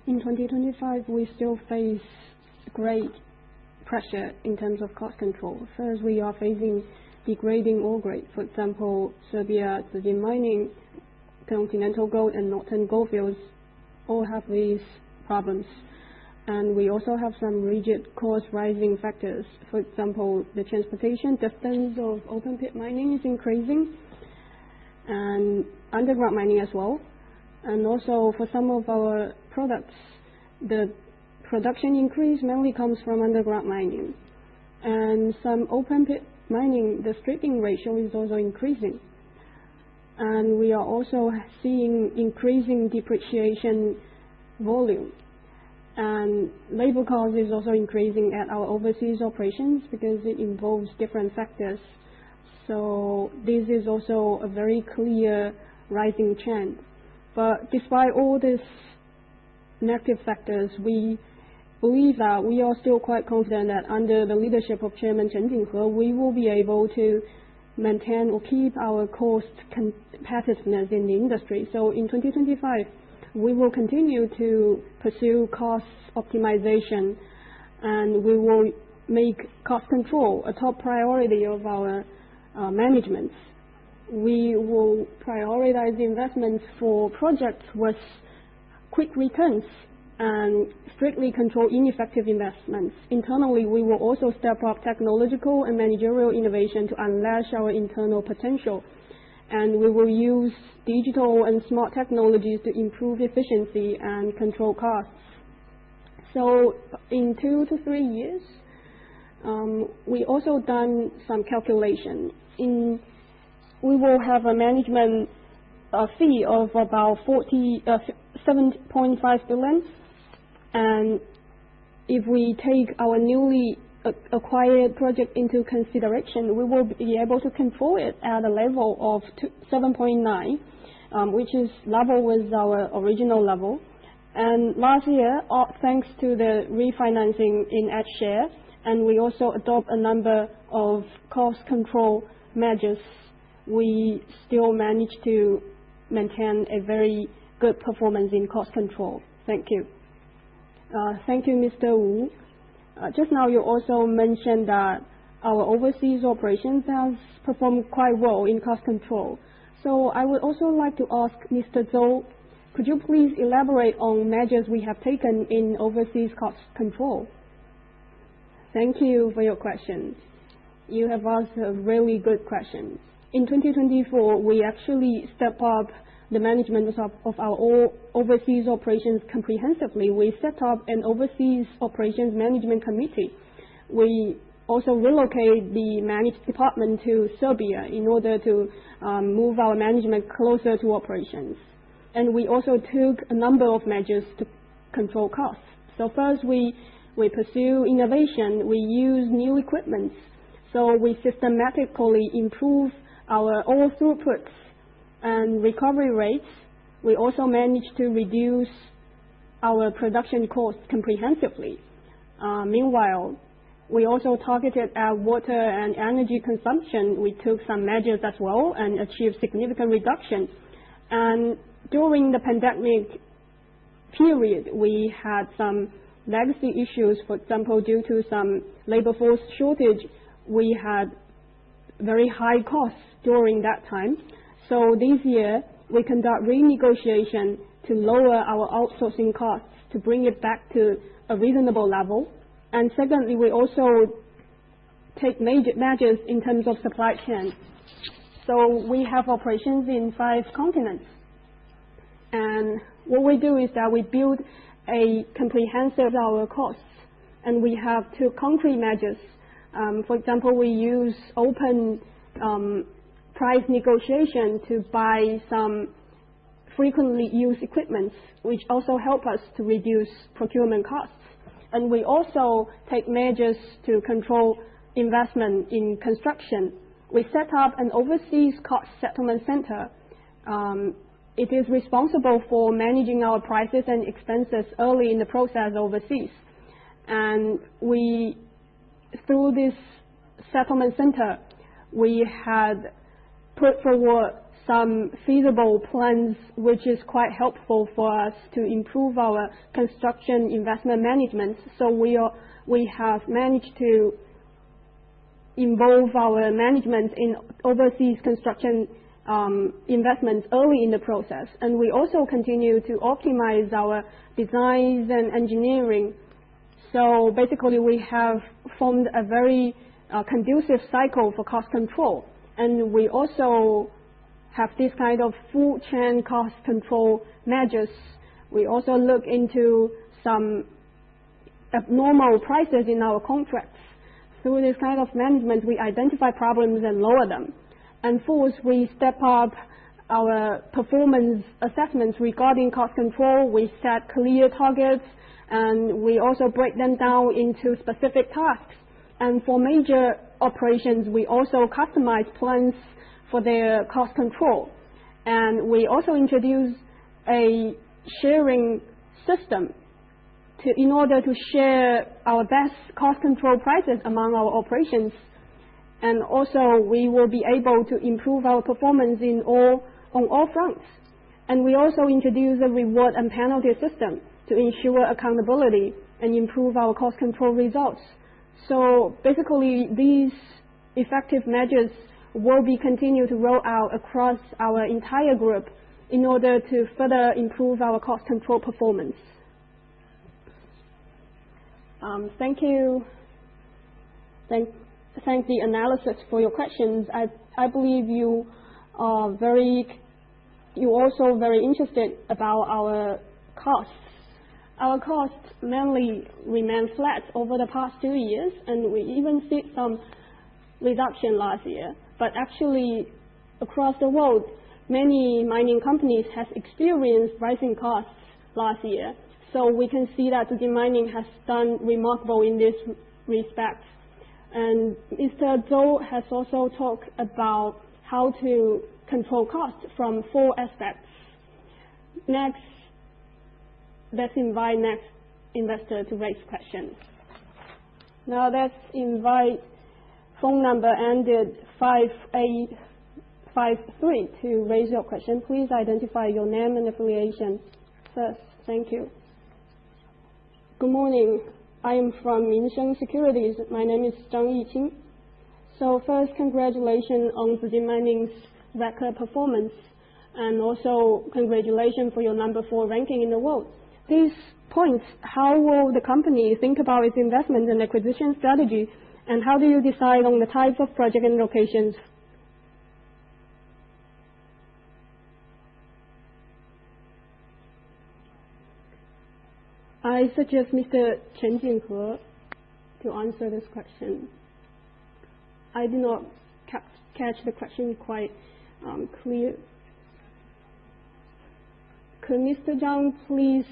In 2025, we still face great pressure in terms of cost controls. We are facing degrading ore grade. For example, Serbia, Zijin Mining, Continental Gold and [Northern] gold fields all have these problems. And we also have some rigid cost rising factors. For example, the transportation distance of open pit mining is increasing and underground mining as well. And also for some of our products, the production increase mainly comes from underground mining and some open pit mining. The stripping ratio is also increasing. And we are also seeing increasing depreciation volume. And labor cost is also increasing at our overseas operations because it involves different factors. So this is also a very clear rising chance. But despite all these negative factors, we believe that we are still quite confident that under the leadership of Chairman Chen Jinghe, we will be able to maintain or keep our cost competitiveness in the industry. So, in 2025, we will continue to pursue cost optimization, and we will make cost control a top priority of our management. We will prioritize investments for projects with quick returns and strictly control ineffective investments. Internally. We will also step up technological and managerial innovation to unleash our internal potential. And we will use digital and smart technologies to improve efficiency and control costs. So in two to three years, we also done some calculation. We will have a management fee of about [47.5] billion. And if we take our newly acquired project into consideration, we will be able to control it at a level of 7.9, which is level with our original level. And last year, thanks to the refinancing in H-share, and we also adopt a number of cost control measures, we still managed to maintain a very good performance in cost control. Thank you. Thank you. Mr. Wu, just now, you also mentioned that our overseas operations have performed quite well in cost control. So I would also like to ask Mr. Zou, could you please elaborate on measures we have taken in overseas cost control. Thank you for your questions. You have asked a really good question. In 2024, we actually stepped up the management of our overseas operations comprehensively. We set up an overseas operations management committee. We also relocated the management department to Serbia in order to move our management closer to operations. And we also took a number of measures to control costs. So first, we pursue innovation. We use new equipment, so we systematically improve our oil throughputs and recovery rates. We also managed to reduce our production cost comprehensively. Meanwhile, we also targeted our water and energy consumption. We took some measures as well and achieved significant reduction. And during the pandemic period, we had some legacy issues. For example, due to some labor force shortage, we had very high costs during that time. So this year we conduct renegotiation to lower our outsourcing costs to bring it back to a reasonable level. And secondly, we also take measures in terms of supply chain. So we have operations in five continents. And what we do is that we build a comprehensive [our] cost. And we have two concrete measures. For example, we use open price negotiation to buy some frequently used equipment, which also help us to reduce procurement costs. And we also take measures to control investment in construction. We set up an overseas cost settlement center. It is responsible for managing our prices and expenses early in the process overseas. And we, through this settlement center, we had put forward some feasible plans which is quite helpful for us to improve our construction investment management. So we have managed to involve our management in overseas construction investments early in the process. And we also continue to optimize our designs and engineering. So basically, we have formed a very conducive cycle for cost control. And we also have this kind of food chain cost control measures. We also look into some abnormal prices in our contracts. Through this kind of management, we identify problems and lower them. Fourth, we step up our performance assessments regarding cost control. We set clear targets and we also break them down into specific topics. For major operations, we also customize plans for their cost control. We also introduce a sharing system in order to share our best cost control practices among our operations. We will be able to improve our performance on all fronts. We also introduce a reward and penalty system to ensure accountability and improve our cost control results. Basically, these effective measures will be continued to roll out across our entire group in order to further improve our cost control performance. Thank you. Thank the analysts for your questions. I believe you are also very interested about our costs. Our costs mainly remain flat over the past two years and we even see some reduction last year. But actually, across the world many mining companies have experienced rising costs last year so we can see that Zijin Mining has done remarkable in this respect and Mr. Zou has also talked about how to control cost from four aspects. Next, let's invite next investor to raise questions. Now let's invite phone number ended 5853 to raise your question, please identify your name and affiliation first thank you. Good morning. I am from Mingsheng Securities My name is [Zhang Yiqing] so first, congratulations on Zijin Mining's record performance and also congratulations for your number four ranking in the world. These points, how will the company think about its investment and acquisition strategy? And how do you decide on the type of project and locations? I suggest Mr. Chen Jinghe to answer this question. I did not catch the question quite clear. Could Mr. Zhang please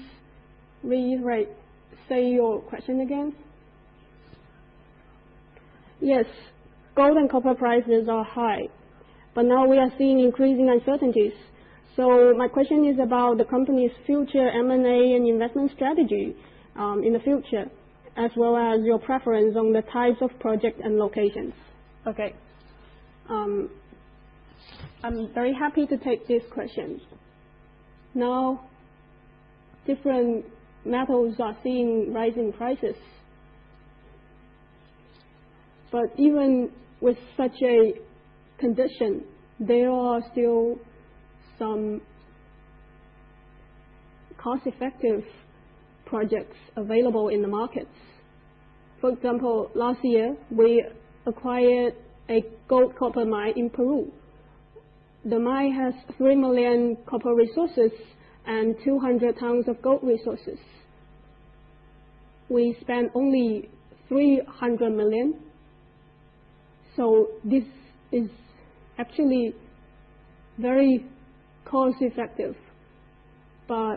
say your question again? Yes. Gold and copper prices are high but now we are seeing increasing uncertainties so my question is about the company's future M&A and investment strategy in the future as well as your preference on the types of project and locations. Okay, I'm very happy to take this question. Now different metals are seeing rising prices but even with such a condition, there are still some cost effective projects available in the markets. For example, last year we acquired a gold copper mine in Peru. The mine has 3 million copper resources and 200 tons of gold resources. We spent only 300 million so this is actually very cost effective but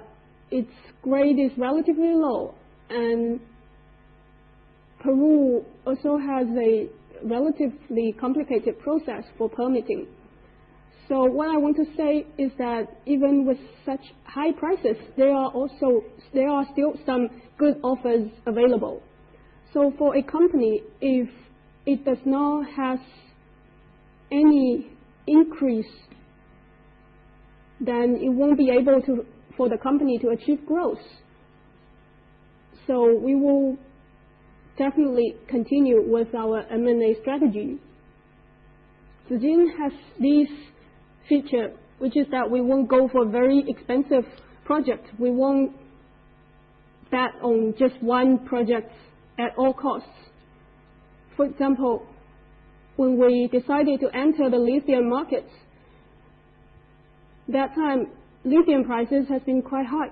its grade is relatively low and Peru also has a relatively complicated process for permitting. So what I want to say is that even with such high prices, there are still some good offers available. So for a company, if it does not have any increase, then it won't be able for the company to achieve growth. So we will definitely continue with our M&A strategy. Zijin has this feature which is that we won't go for very expensive project, we won't bet on just one project at all costs. For example, when we decided to enter the lithium market that time, lithium prices have been quite high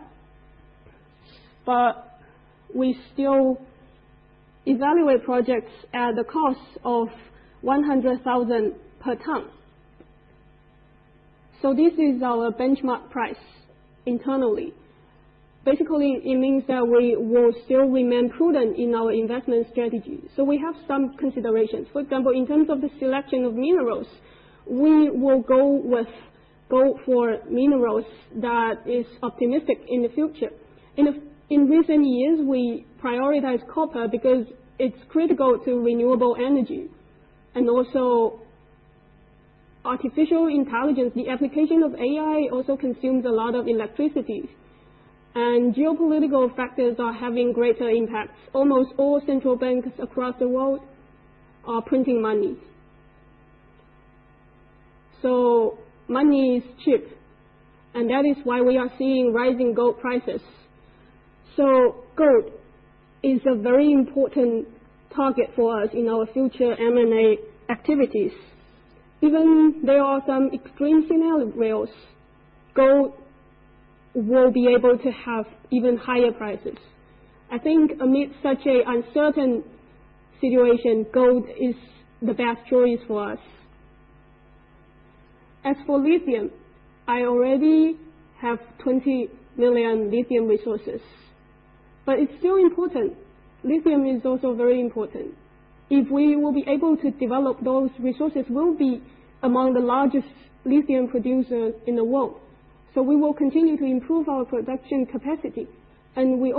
but we still evaluate projects at the cost of 100,000 per ton. So this is our benchmark price internally. Basically it means that we will still remain prudent in our investment strategy so we have some considerations. For example, in terms of the selection of minerals we will go with, go for minerals that is of optimistic in the future. In recent years, we prioritize copper because it's critical to renewable energy and also artificial intelligence. The application of AI also consumes a lot of electricity and geopolitical factors are having greater impact. Almost all central banks across the world are printing money, so money is cheap. And that is why we are seeing rising gold prices. So gold is a very important target for us in our future M&A activities. Even there are some extreme scenarios, gold will be able to have even higher prices. I think amid such a uncertain situation, gold is the best choice for us. As for lithium, I already have 20 million lithium resources, but it's still important. Lithium is also very important. If we will be able to develop those resources, we'll be among the largest lithium producers in the world. So we will continue to improve our production capacity. And we are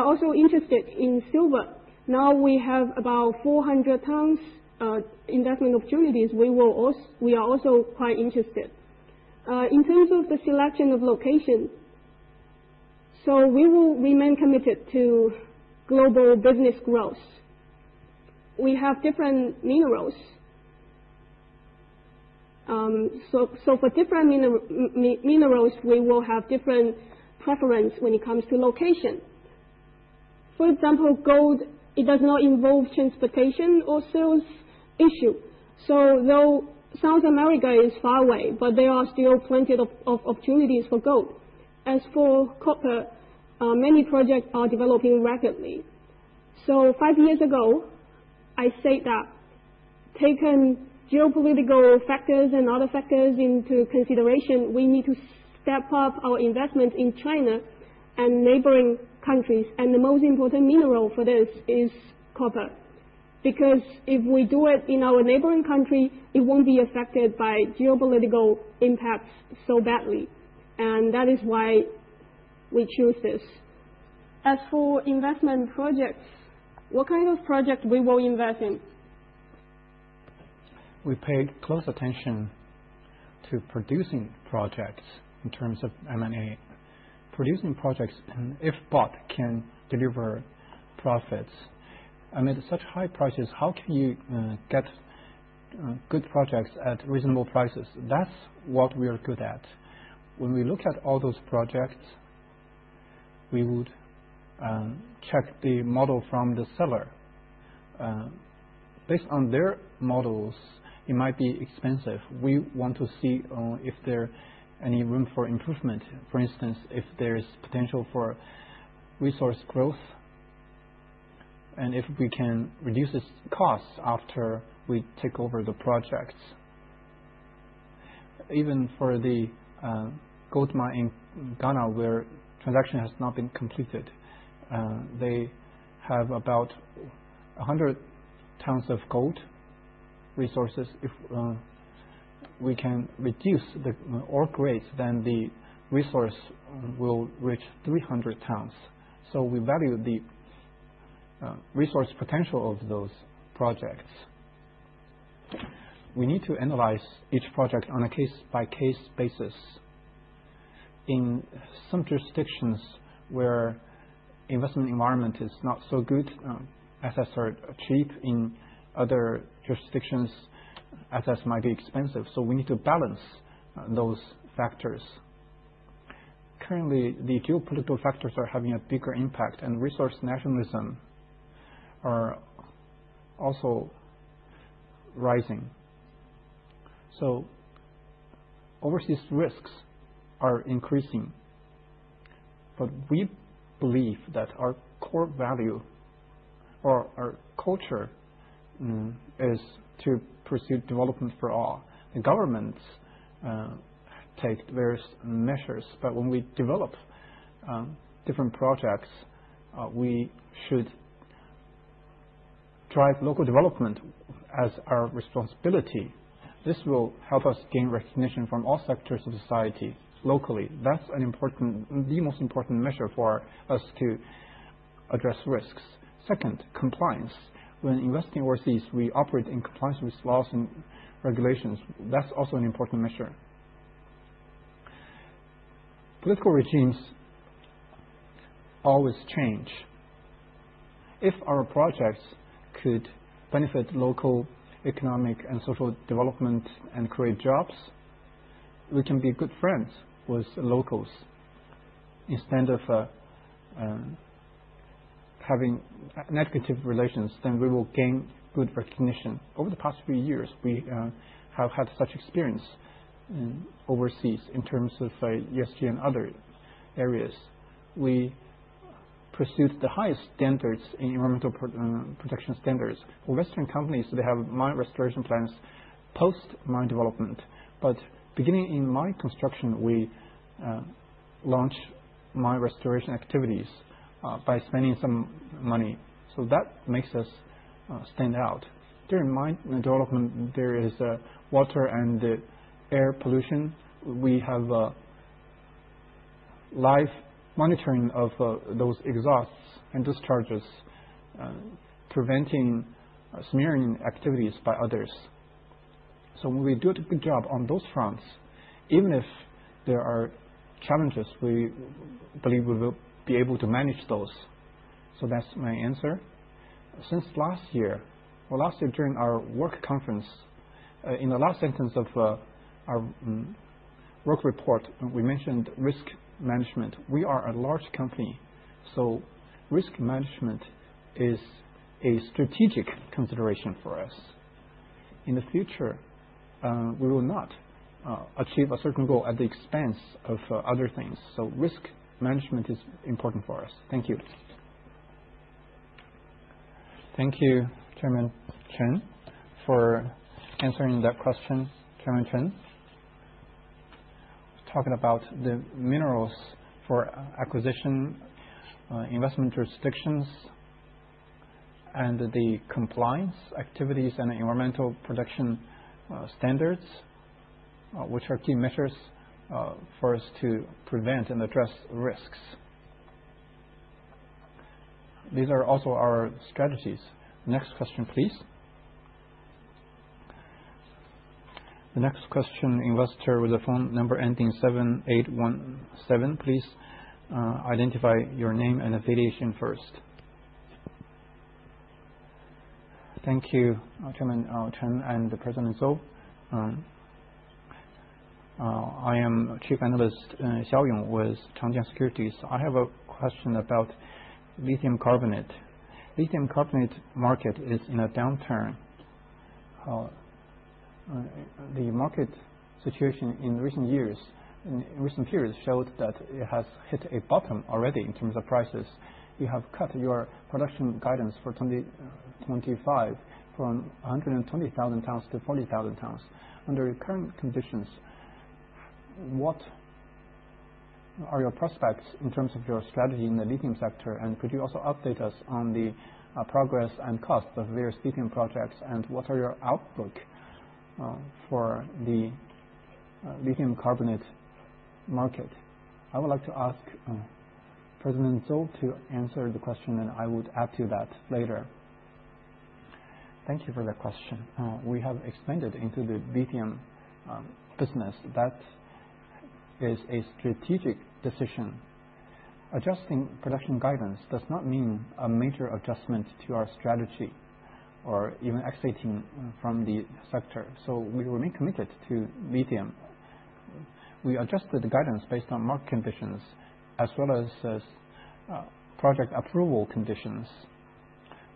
also interested in silver. Now we have about 400 tons investment opportunities. We are also quite interested in terms of the selection of location. So we will remain committed to global business growth. We have different minerals. So for different minerals, minerals we will have different preference when it comes to location. For example, gold, it does not involve transportation or sales issue. So though South America is far away, but there are still plenty of opportunities for gold. As for copper, many projects are developing rapidly. So five years ago I said that taking geopolitical factors and other factors into consideration, we need to step up our investment in China and neighboring countries. And the most important mineral for this is copper. Because if we do it in our neighboring country, it won't be affected by geopolitical impacts so badly. And that is why we choose this. As for investment projects, what kind of project we will invest in. We paid close attention to producing projects. In terms of M&A producing projects, if bought, can deliver profits. I mean, such high prices, how can you get good projects at reasonable prices? That's what we are good at. When we look at all those projects, we would check the model from the seller. Based on their models, it might be expensive. We want to see if there any room for improvement. For instance, if there is potential for resource growth and if we can reduce its costs after we take over the project. Even for the gold mine in Ghana, where transaction has not been completed, they have about 100 tons of gold resources. If we can reduce the ore grades, then the resource will reach 300 tons. So we value the resource potential of those projects. We need to analyze each project on a case by case basis. In some jurisdictions, where investment environment is not so good, assets are cheap. In other jurisdictions, assets might be expensive. So we need to balance those factors. Currently the geopolitical factors are having a bigger impact. And resource nationalism are also rising. So overseas risks are increasing. But we believe that our core value or our culture is to pursue development for all the governments take various measures but when we develop different projects, we should drive local development as our responsibility. This will help us gain recognition from all sectors of society. Locally, that's an important, the most important measure for us to address risks. Second, compliance. When investing overseas, we operate in compliance with laws and regulations. That's also an important measure. Political regimes always change. If our projects could benefit local, economic, and social development and create jobs, we can be good friends with locals instead of having negative relations than and we will gain good recognition. Over the past few years, we have had such experience overseas. In terms of ESG and other areas, we pursued the highest standards in environmental protection standards. For Western companies. they have mine restoration plans post mine development. But beginning in mine construction, we launched mine restoration activity activities by spending some money. So that makes us stand out. During mine development, there is water and air pollution. We have live monitoring of those exhausts and discharges, preventing smearing activities by others. So when we do a good job on those fronts, even if there are challenges, we believe we will be able to manage those. So that's my answer. Since last year, during our work conference, in the last sentence of our work report, we mentioned risk management. We are a large company, so risk management is a strategic consideration for us. In the future, we will not achieve a certain goal at the expense of other things. So risk management is important for us. Thank you. Thank you, Chairman Chen for answering that question. Chairman Chen, talking about the minerals for acquisition investment jurisdictions and the compliance activities and environmental protection standards which are key measures for us to prevent and address risks. These are also our strategies. Next question, please. The next question. Investor with a phone number ending 78177. Please identify your name and affiliation first. Thank you, Chairman Chen and President Zou. I am Chief Analyst Xiaoyong with Changjiang Securities. I have a question about lithium carbonate. Lithium carbonate market is in a downturn. The market situation in recent years, recent periods showed that it has hit a bottom already in terms of prices. You have cut your production guidance for 2025 from 120,000 tons to 40,000 tons. Under current conditions, what are your prospects in terms of your strategy in the lithium sector? And could you also update us on the progress and cost of various lithium projects? And what are your outlook for the lithium carbonate market? I would like to ask President Zou to answer the question and I would add to that later. Thank you for the question. We have expanded into the lithium business. That is a strategic decision. Adjusting production guidance does not mean a major adjustment to our strategy or even exiting from the sector. So we remain committed to medium we adjusted the guidance based on market conditions as well as project approval conditions.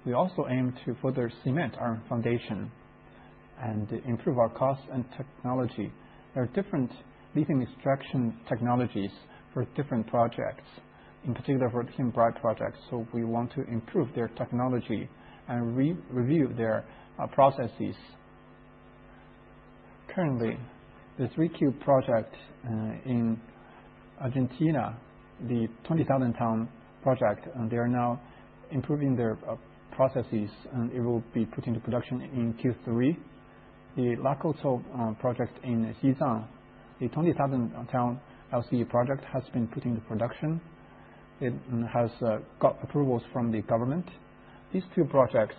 We also aim to further cement our foundation and improve our costs and technology. There are different lithium extraction technologies for different projects in particular for [pinbride] projects. So we want to improve their technology and review their processes. Currently, the 3Q project in Argentina, the 20,000 ton project they are now improving their processes and it will be put into production in Q3. The Lakkor Tso project in Xizangn, the 20,000 town LCE project has been put into production. It has got approvals from the government. These two projects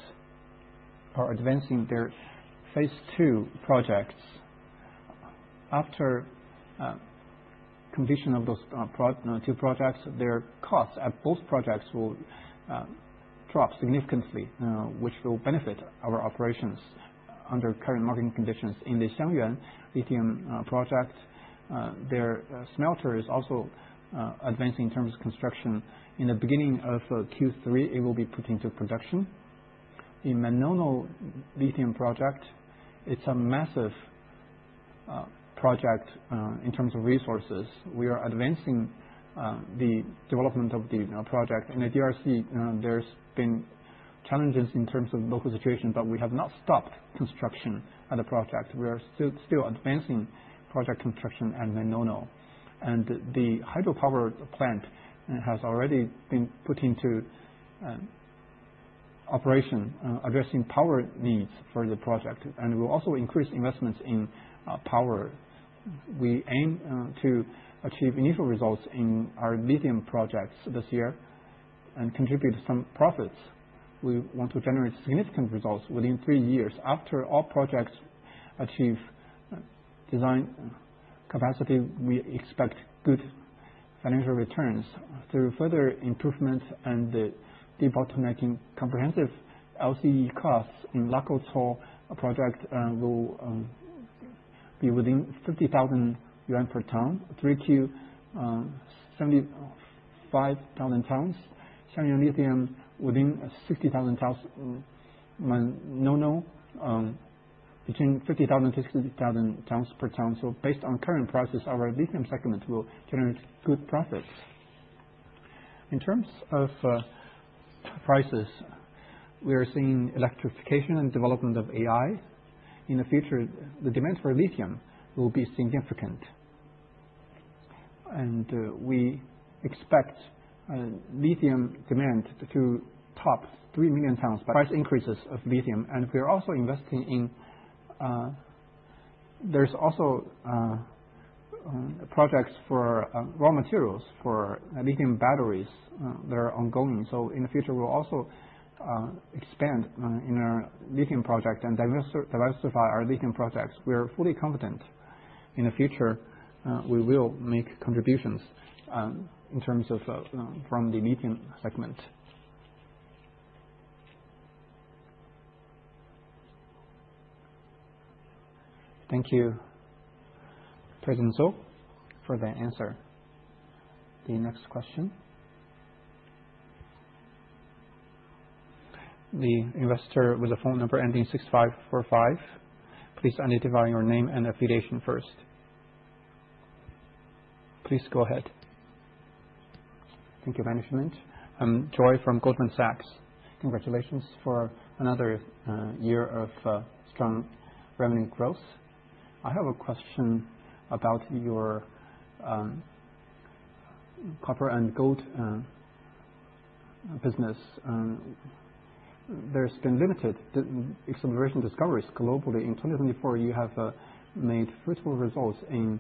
are advancing their phase two projects. After completion of those two projects, their costs at both projects will drop significantly which will benefit our operations under current market conditions. In the [Xiangyuan] lithium project, their smelter is also advancing in terms of construction. In the beginning of Q3, it will be put into production. The Manono Lithium project It's a massive project in terms of resources we are advancing the development of the project and at DRC there's been challenges in terms of local situation but we have not stopped construction at the project. We are still advancing project construction at Manono and the hydropower plant has already been put into operation addressing power needs for the project and we'll also increase investments in power. We aim to achieve initial results in our medium projects this year and contribute some profits. We want to generate significant results within three years after all projects achieve design capacity we expect good financial returns through further improvement and debottlenecking. Comprehensive LCE costs in Lakkor Tso project will be within 50,000 yuan per ton. 3Q 75,000 tons [Xiangyuan] Lithium within 60,000 tons no, no, between 50,000 to 60,000 tons per ton so based on current prices, our lithium segment will generate good profits. In terms of prices we are seeing electrification and development of AI. In the future, the demand for lithium will be significant and we expect lithium demand to top 3 million tons by price increases of lithium and we are also investing in, there's also projects for raw materials for lithium batteries that are ongoing so in the future we'll also expand in our lithium project and diversify our lithium projects. We are fully confident in the future we will make contributions in terms of from the lithium segment. Thank you, President Zou for the answer the next question, The investor with the phone number ending 6545, please identify your name and affiliation first. Please go ahead. Thank you management, Joy from Goldman Sachs. Congratulations for another year of strong revenue growth. I have a question about your copper and gold business. There's been limited exploration discoveries globally. In 2024, you have made fruitful results in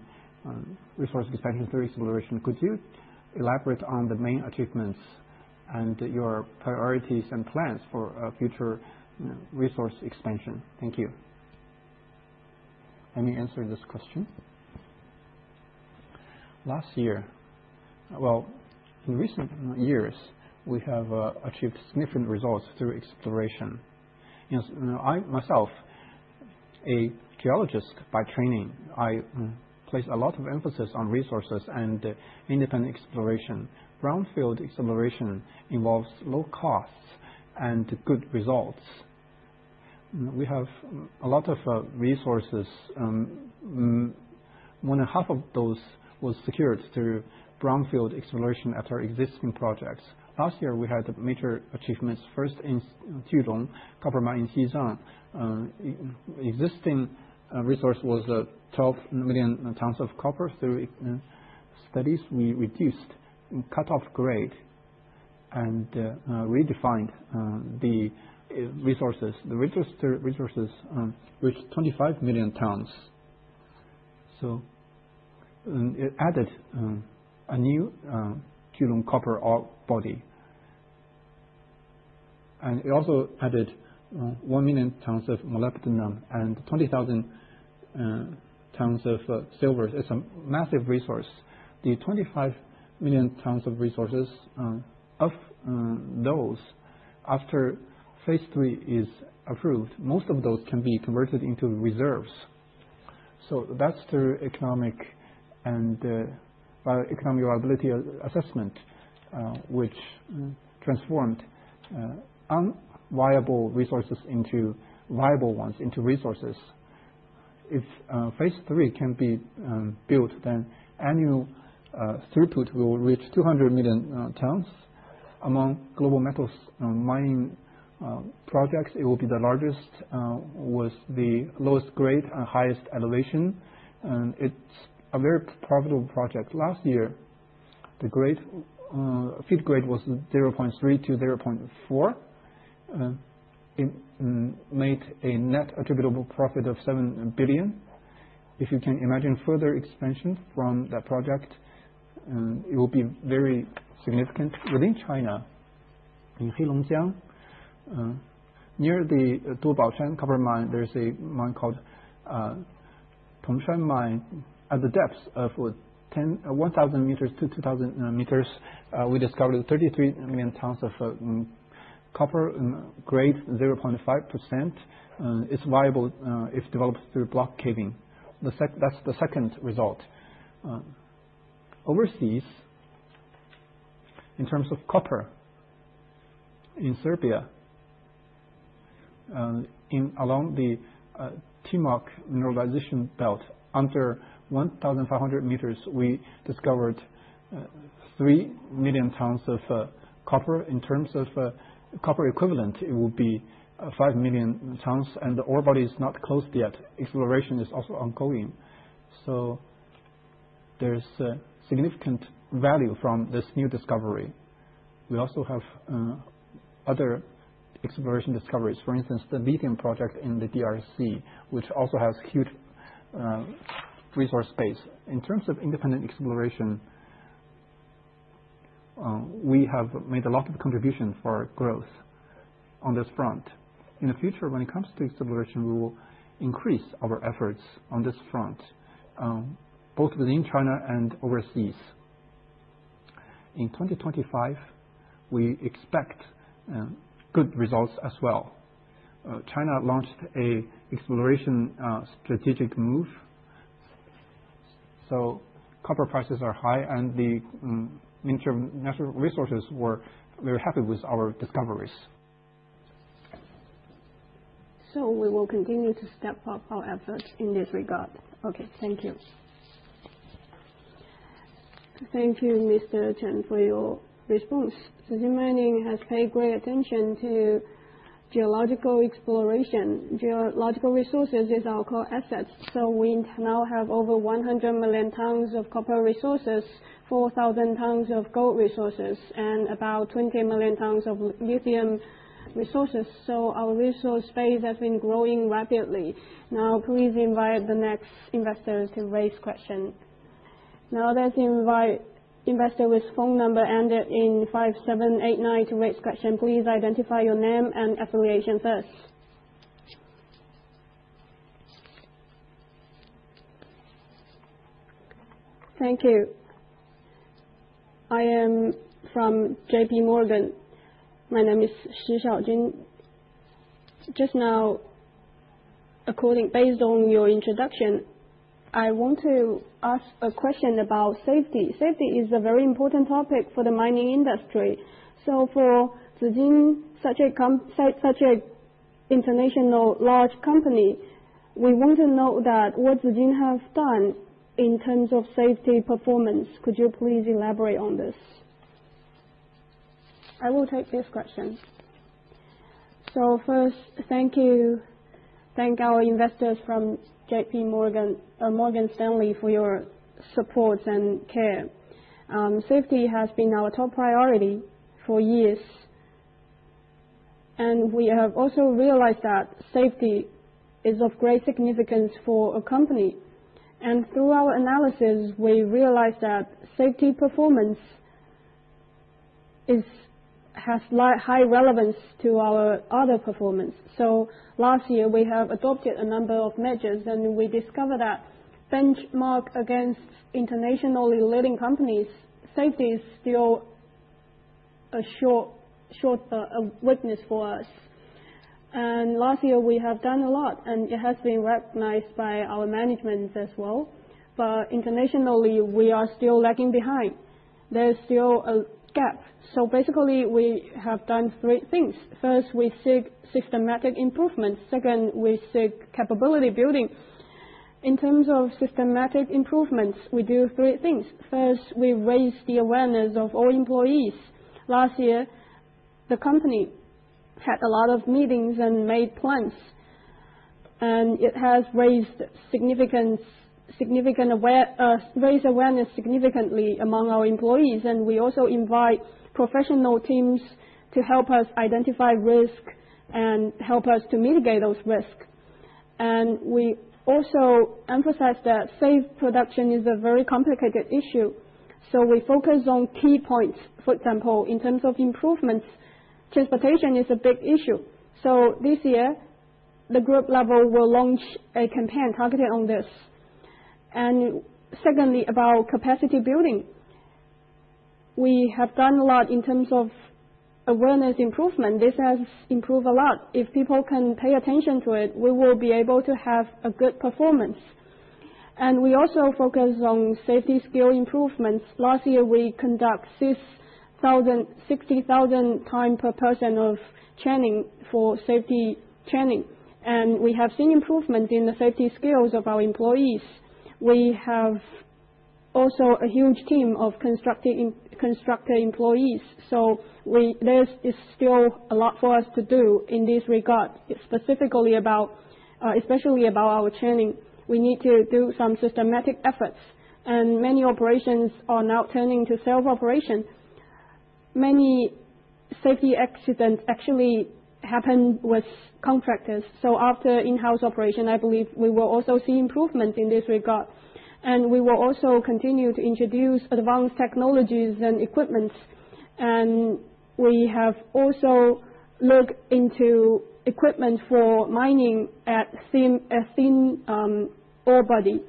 resource expansion theory exploration. Could you elaborate on the main achievements and your priorities and plans for future resource expansion. Thank you. Let me answer this question. Last year. Well, in recent years we have achieved significant results through exploration. I, myself a geologist by training, I place a lot of emphasis on resources and independent exploration. Brownfield exploration involves low costs and good results. We have a lot of resources. One and half of those was secured through brownfield exploration. At our existing projects. Last year we had major achievements. First in [Julong], copper mining in [Xihan]. Existing resource was 12 million tons of copper. Through studies, we reduced cut-off grade and redefined the resources. The registered resources reached 25 million tons. It added a new copper ore body. It also added 1 million tons of molybdenum and 20,000 tons of silver. It's a massive resource. The 25 million tons of resources, of those after phase three is approved, most of those can be converted into reserves. That's the economic and bioeconomic viability assessment, which transformed unviable resources into viable ones into resources. If phase three can be built, annual throughput will reach 200 million tons. Among global metals mining projects, it will be the largest with the lowest grade and highest elevation. It's a very profitable project. Last year, the feed grade was 0.3 to 0.4. It made a net attributable profit of 7 billion. If you can imagine further expansion from that project, it will be very significant. Within China, near the Duobaoshan Copper Mine, there's a mine called Tongshan Mine. At the depth of 1,000 meters to 2,000 meters, we discovered 33 million tons of copper grade. 0.5% is viable if developed through block caving. That's the second result. Overseas in terms of copper. In Serbia, along the Timok Mineralization Belt, under 1,500 meters, we discovered 3 million tons of copper. In terms of copper equivalent, it would be 5 million tons. And the ore body is not closed yet. Exploration is also ongoing. So there's significant value from this new discovery. We also have other exploration discoveries. For instance, the lithium project in the DRC, which also has huge resource space. In terms of independent exploration, we have made a lot of contributions for growth on this front. In the future, when it comes to exploration, we will increase our efforts on this front, both within China and overseas. In 2025, we expect good results as well. China launched a exploration strategic move, so copper prices are high and the miniature natural resources were very happy with our discoveries. So we will continue to step up our efforts in this regard. Okay, thank you. Thank you Mr. Chen for your response. Zijin Mining has paid great attention to geological exploration. Geological resources is our core assets. So we now have over 100 million tons of copper resources, 4,000 tons of gold resources and about 20 million tons of lithium resources. So our resource base has been growing rapidly. Now please invite the next investors to raise questions. Now let's invite investor with phone number ended in 5789 to raise question. Please identify your name and affiliation first. Thank you. I am from JPMorgan. My name is [Xu Xiaojun]. Just now, according based on your introduction, I want to ask a question about safety. Safety is a very important topic for the mining industry. So for Zijian, such an international large company, we want to know that what Zijin has done in terms of safety performance. Could you please elaborate on this? I will take this question. So first, thank you. Thank our investors from JPMorgan or Morgan Stanley for your support and care. Safety has been our top priority for years. And we have also realized that safety is of great significance for a company. And through our analysis, we realized that safety performance has high relevance to our other performance. So last year we have adopted a number of measures and we discovered that benchmark against internationally leading companies. Safety is still a short weakness for us. And last year we have done a lot and it has been recognized by our management as well. But internationally, we are still lagging behind. There is still a gap. So basically, we have done three things. First, we seek systematic improvement. Second, we seek capability building. In terms of systematic improvements, we do three things. First, we raise the awareness of all employees. Last year, the company had a lot of meetings and made plans. And it has raised significant awareness significantly among our employees. And we also invite professional teams to help us identify risk and help us to mitigate those risks. And we also emphasize that safe production is a very complicated issue. So we focus on key points. For example, in terms of improvements, transportation is a big issue. So this year the group level will launch a campaign targeted on this. And secondly, about capacity building. We have done a lot in terms of awareness improvement. This has improved a lot. If people can pay attention to it, we will be able to have a good performance. And we also focus on safety skill improvements. Last year, we conduct 60,000 times per person of training for safety training. And we have seen improvement in the safety skills of our employees. We have also a huge team of constructive constructor employees. So there is still a lot for us to do in this regard, especially about our training. We need to do some systematic efforts and many operations are now turning to self operation. Many safety accidents actually happen with contractors. So after in house operation I believe we will also see improvement in this regard and we will also continue to introduce advanced technologies and equipment and we have also looked into equipment for mining at [Thin Ore Body]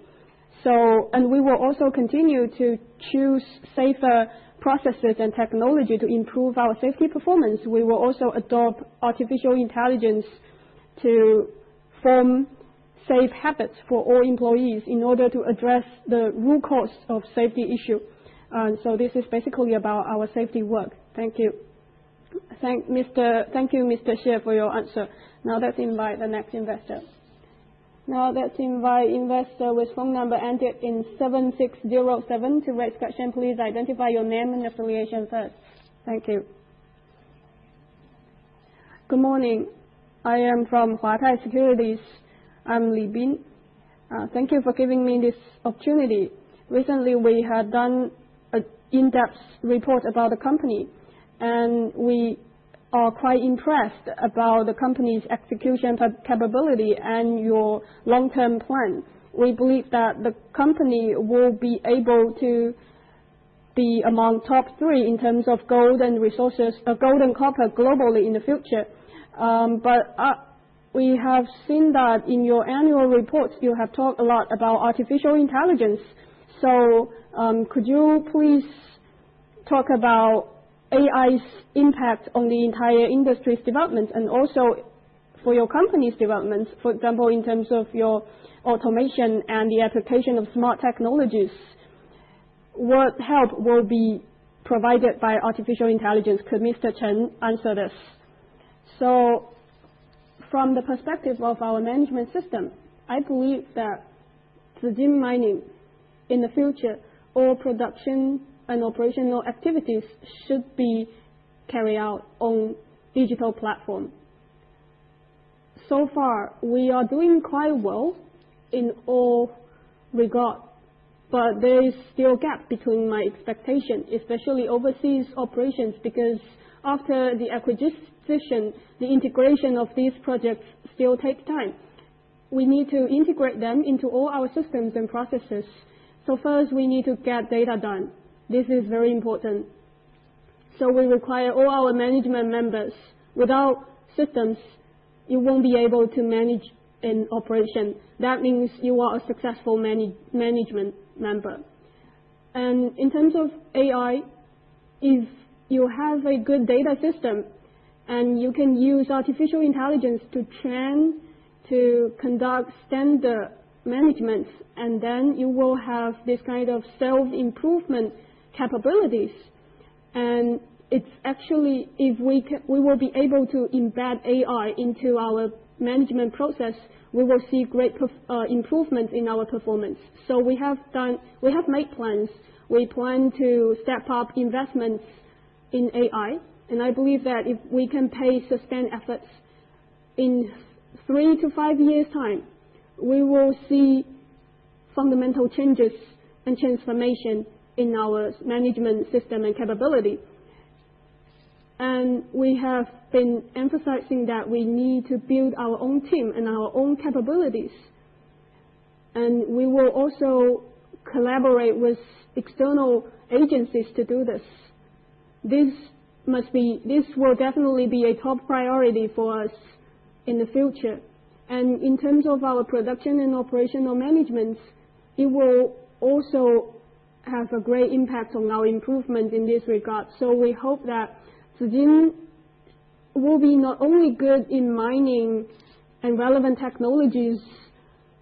and we will also continue to choose safer processes and technology to improve our safety performance. We will also adopt artificial intelligence to to form safe habits for all employees in order to address the root cause of safety issue. So this is basically about our safety work. Thank you. Thank you Mr. Xie for your answer. Now let's invite the next investor. Now let's invite investor with phone number entered in 7607 to raise question Please identify your name and affiliation first. Thank you. Good morning. I am from Hua Thai Securities. I'm Li Bin. Thank you for giving me this opportunity. Recently we had done an in depth report about the company and we are quite impressed about the company's execution capability and your long term plan. We believe that the company will be able to be among top three in terms of gold and resources, gold and copper globally in the future. But we have seen that in your annual report you have talked a lot about artificial intelligence. So could you please talk about AI's impact on the entire industry's development and also for your company's development for example, in terms of your automation and the application of smart technologies, what help will be provided by artificial intelligence? Could Mr. Chen answer this? So from the perspective of our management system, I believe that the Zijin Mining in the future, all production and operational activities should be carried out on digital platform. So far we are doing quite well in all regard but there is still gap between my expectation, especially overseas operations because after the acquisition, the integration of these projects still takes time. We need to integrate them into all our systems and processes. So first we need to get data done. This is very important. So we require all our management members without systems, you won't be able to manage an operation. That means you are a successful management member and in terms of AI, if you have a good data system and you can use artificial intelligence to train to conduct standard management and then you will have this kind of search self improvement capabilities and it's actually if we will be able to embed AI into our management process, we will see great improvement in our performance. We have done, we have made plans, we plan to step up investments in AI and I believe that if we can pay sustained efforts in three to five years' time, we will see fundamental changes and transformation in our management system and capability. We have been emphasizing that we need to build our own team and our own capabilities. We will also collaborate with external agencies to do this. This will definitely be a top priority for us in the future. In terms of our production and operational management, it will also have a great impact on our improvement in this regard. We hope that Zijin will be not only good in mining and relevant technologies,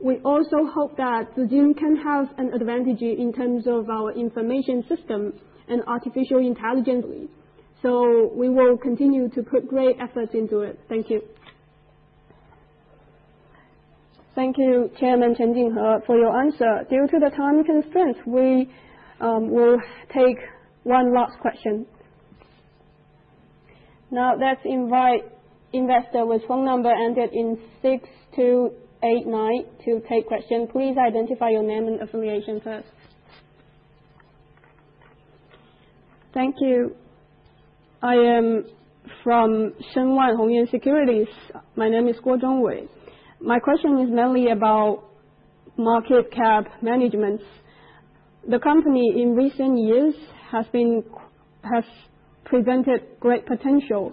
we also hope that Zijin can have an advantage in terms of our information system and artificial intelligence. We will continue to put great effort into it. Thank you. Thank you, Chairman Chen Jinghe for your answer. Due to the time constraints, we will take one last question. Now let's invite investor with phone number entered in 6289 to take question. Please identify your name and affiliation first. Thank you. I am from Shenwan Hongyuan securities. My name is [Kojong] Hui. My question is mainly about market cap management. The company in recent years has presented great potential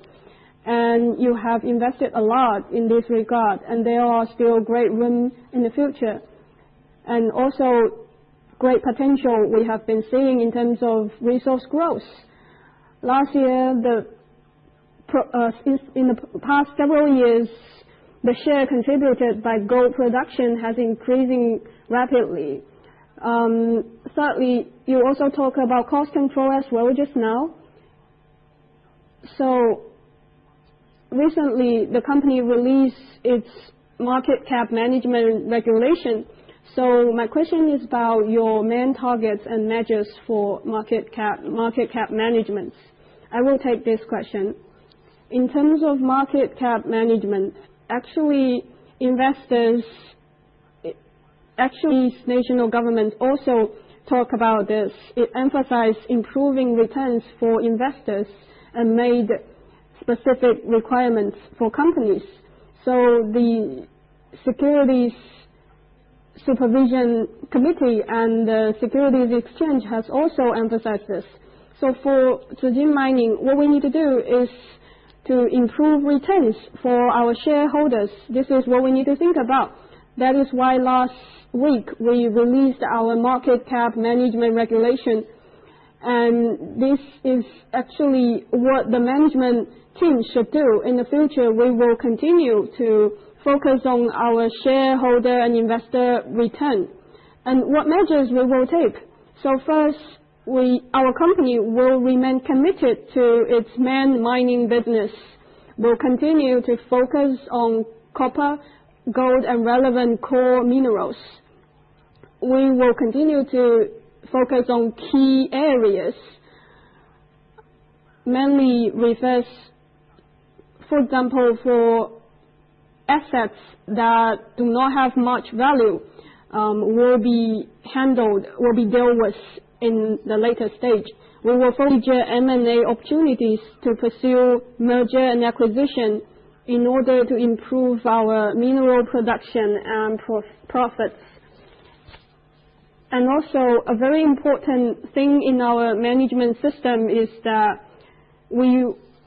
and you have invested a lot in this regard. And there are still great room in the future. And also great potential. We have been seeing in terms of resource growth last year. In the past several years, the share contributed by gold production has increasing rapidly. Thirdly, you also talk about cost control as well. Just now, so recently the company released its market cap management regulation. So my question is about your main targets and measures for market cap management. I will take this question in terms of market cap management. Actually investors, actually national government also talk about this. It emphasize improving returns for investors and made specific requirements for companies. So the Securities Supervision Committee and Securities Exchange has also emphasized this. So for Zijin Mining, what we need to do is to improve returns for our shareholders. This is what we need to think about. That is why last week we released our market cap management regulation and this is actually what the management team should do. In the future, we will continue to focus on our shareholder and investor return and what measures we will take. So first, our company will remain committed to its manned mining business. We'll continue to focus on copper, gold and relevant core minerals. We will continue to focus on key areas, mainly reverse. For example, for assets that do not have much value will be handled will be dealt with. In the later stage, we will focus M&A opportunities to pursue merger and acquisition in order to improve our mineral production and profit profits. And also a very important thing in our management system is that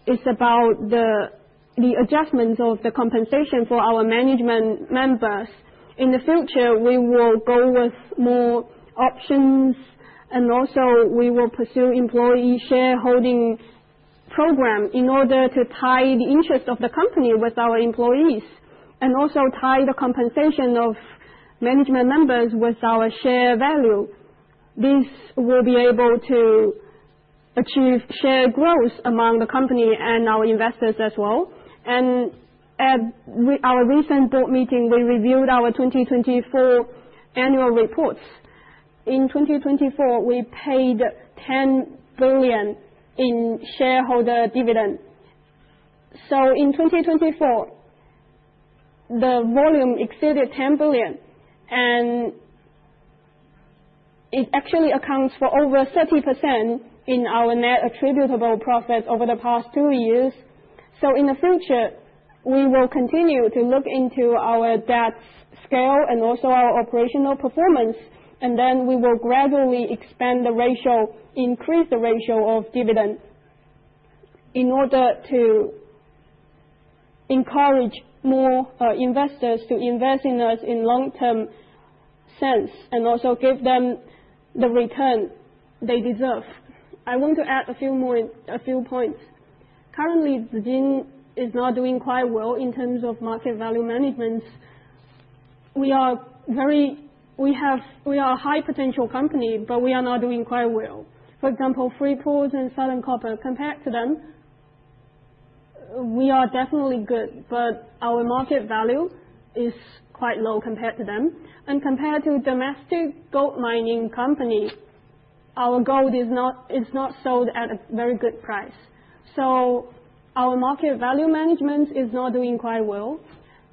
it's about the adjustments of the compensation for our management members. In the future, we will go with more options and also we will pursue employee shareholding program in order to tie the interest of the company with our employees and also tie the compensation of management members with our share value. This will be able to achieve share growth among the company and our investors as well. And at our recent board meeting we reviewed our 2024 annual reports. In 2024 we paid 10 billion in shareholder dividend. So in 2024 the volume exceeded 10 billion and it actually accounts for over 30% in our net attributable profit over the past two years. So in the future we will continue to look into our debt scale and also our operational performance and then we will gradually expand the ratio, increase the ratio of dividend in order to encourage more investors to invest in us in long term sense and also give them the return they deserve. I want to add a few points. Currently Zijing is not doing quite well in terms of market value management. We are very, we are a high potential company but we are not doing quite well. For example Freeport and Southern Copper, compared to them we are definitely good but our market value is quite low compared to them and compared to domestic gold mining company, our gold is not sold at a very good price. So our market value management is not doing quite well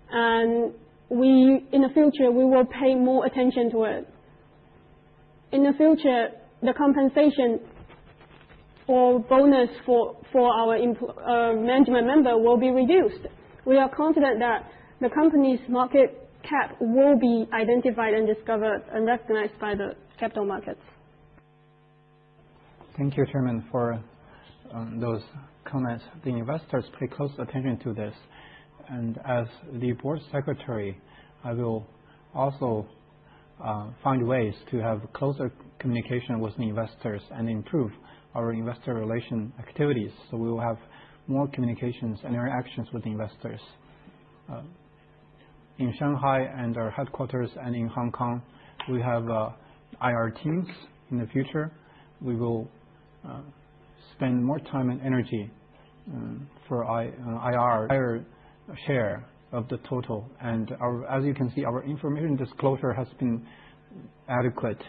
and in the future we will pay more attention to it. In the future the compensation or bonus for our management member will be reduced. We are confident that the company's market cap will be identified and discovered and recognized by the capital markets. Thank you Chairman for those comments. The investors pay close attention to this and as the Board Secretary, I will also find ways to have closer communication with the investors and improve our investor relation activities. We will have more communications and interactions with investors in Shanghai and our headquarters and in Hong Kong, we have IR teams. In the future we will spend more time and energy for IR share of the total and as you can see, our information disclosure has been adequate.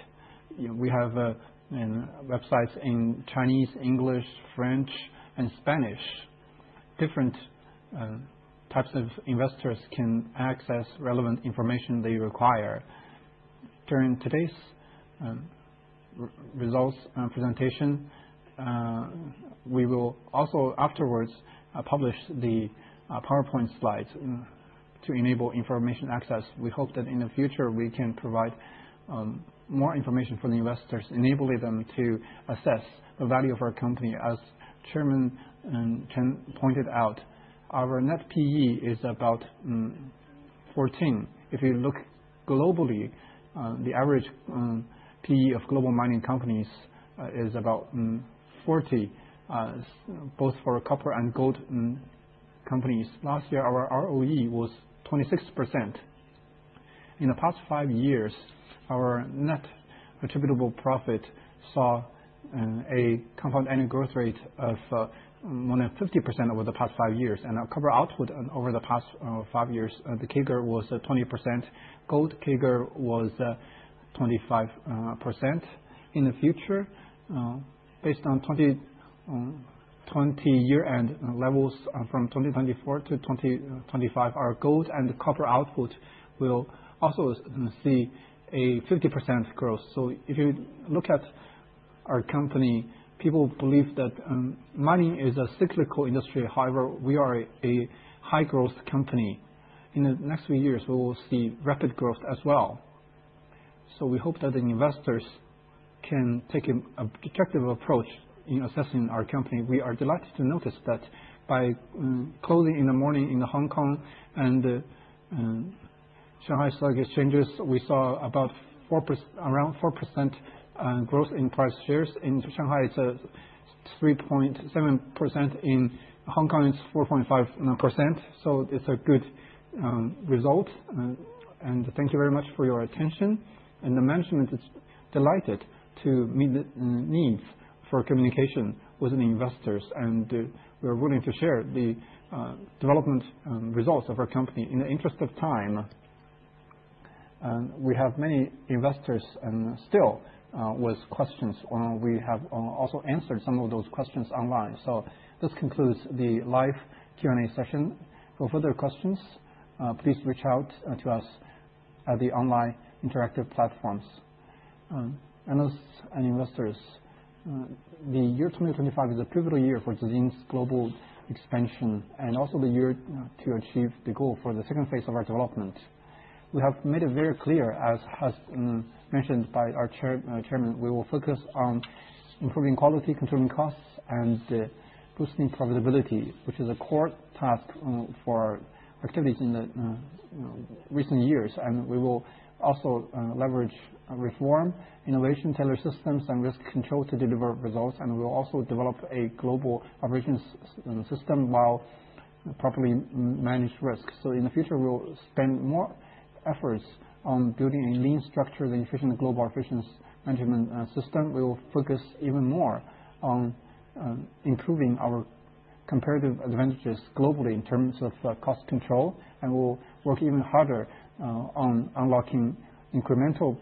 We have websites in Chinese, English, French and Spanish. Different types of investors can access relevant information they require. During today's results and presentation, we will also afterwards publish the PowerPoint slides to enable information access. We hope that in the future we can provide more information for the investors enabling them to assess the value of our company. As Chairman Chen pointed out, our net PE is about [14]. If you look globally, the average PE of global mining companies is about 40 both for copper and gold companies. Last year our ROE was 26%. In the past five years, our net attributable profit saw a compound annual growth rate of more than 50% over the past five years and our copper output over the past five years, the CAGR was 20%. Gold CAGR was 25%. In the future, based on 2020 year end levels from 2024 to 2025, our gold and the copper output will also see a 50% growth. If you look at our company, people believe that mining is a cyclical industry. However, we are a high growth company. In the next few years, we will see rapid growth as well. We hope that the investors can take an objective approach in assessing our company. We are delighted to notice that by closing in the morning in Hong Kong and Shanghai stock exchanges, we saw about 4% growth in share prices. In Shanghai, it is 3.7%. In Hong Kong, it is 4.5%. It is a good result. Thank you very much for your attention. The management is delighted to meet the needs for communication with the investors. We are willing to share the development results of our company. In the interest of time, we have many investors still with questions. We have also answered some of those questions online. This concludes the live Q&A session. For further questions, please reach out to us at the online interactive platforms, analysts and investors. The year 2025 is a pivotal year for Zijin's global expansion and also the year to achieve the goal for the second phase of our development. We have made it very clear, as has been mentioned by our Chairman, we will focus on improving quality, controlling costs and boosting profitability, which is a core task for activities in the recent years. We will also leverage reform innovation, tailored systems and risk control to deliver results. We will also develop a global operations system while properly managing risk. In the future we will spend more efforts on building a lean structure, the efficient global efficiency management system. We will focus even more on improving our comparative advantages globally in terms of cost control and will work even harder on unlocking incremental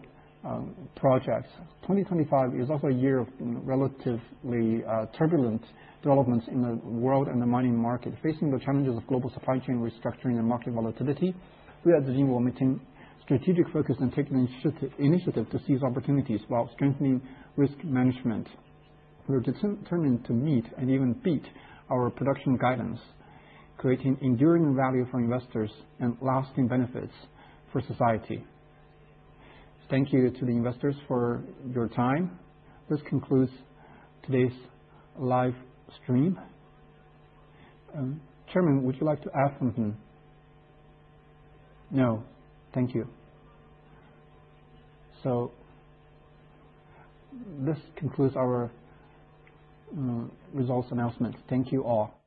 projects. 2025 is also a year of relatively turbulent developments in the world and the mining market. Facing the challenges of global supply chain restructuring and market volatility, we at Zijin will maintain strategic focus and take the initiative to seize opportunities while strengthening risk management. We are determined to meet and even beat our production guidance, creating enduring value for investors and lasting benefits for society. Thank you to the investors for your time. This concludes today's live stream. Chairman, would you like to ask something? No. Thank you so much. This concludes our results announcements. Thank you all..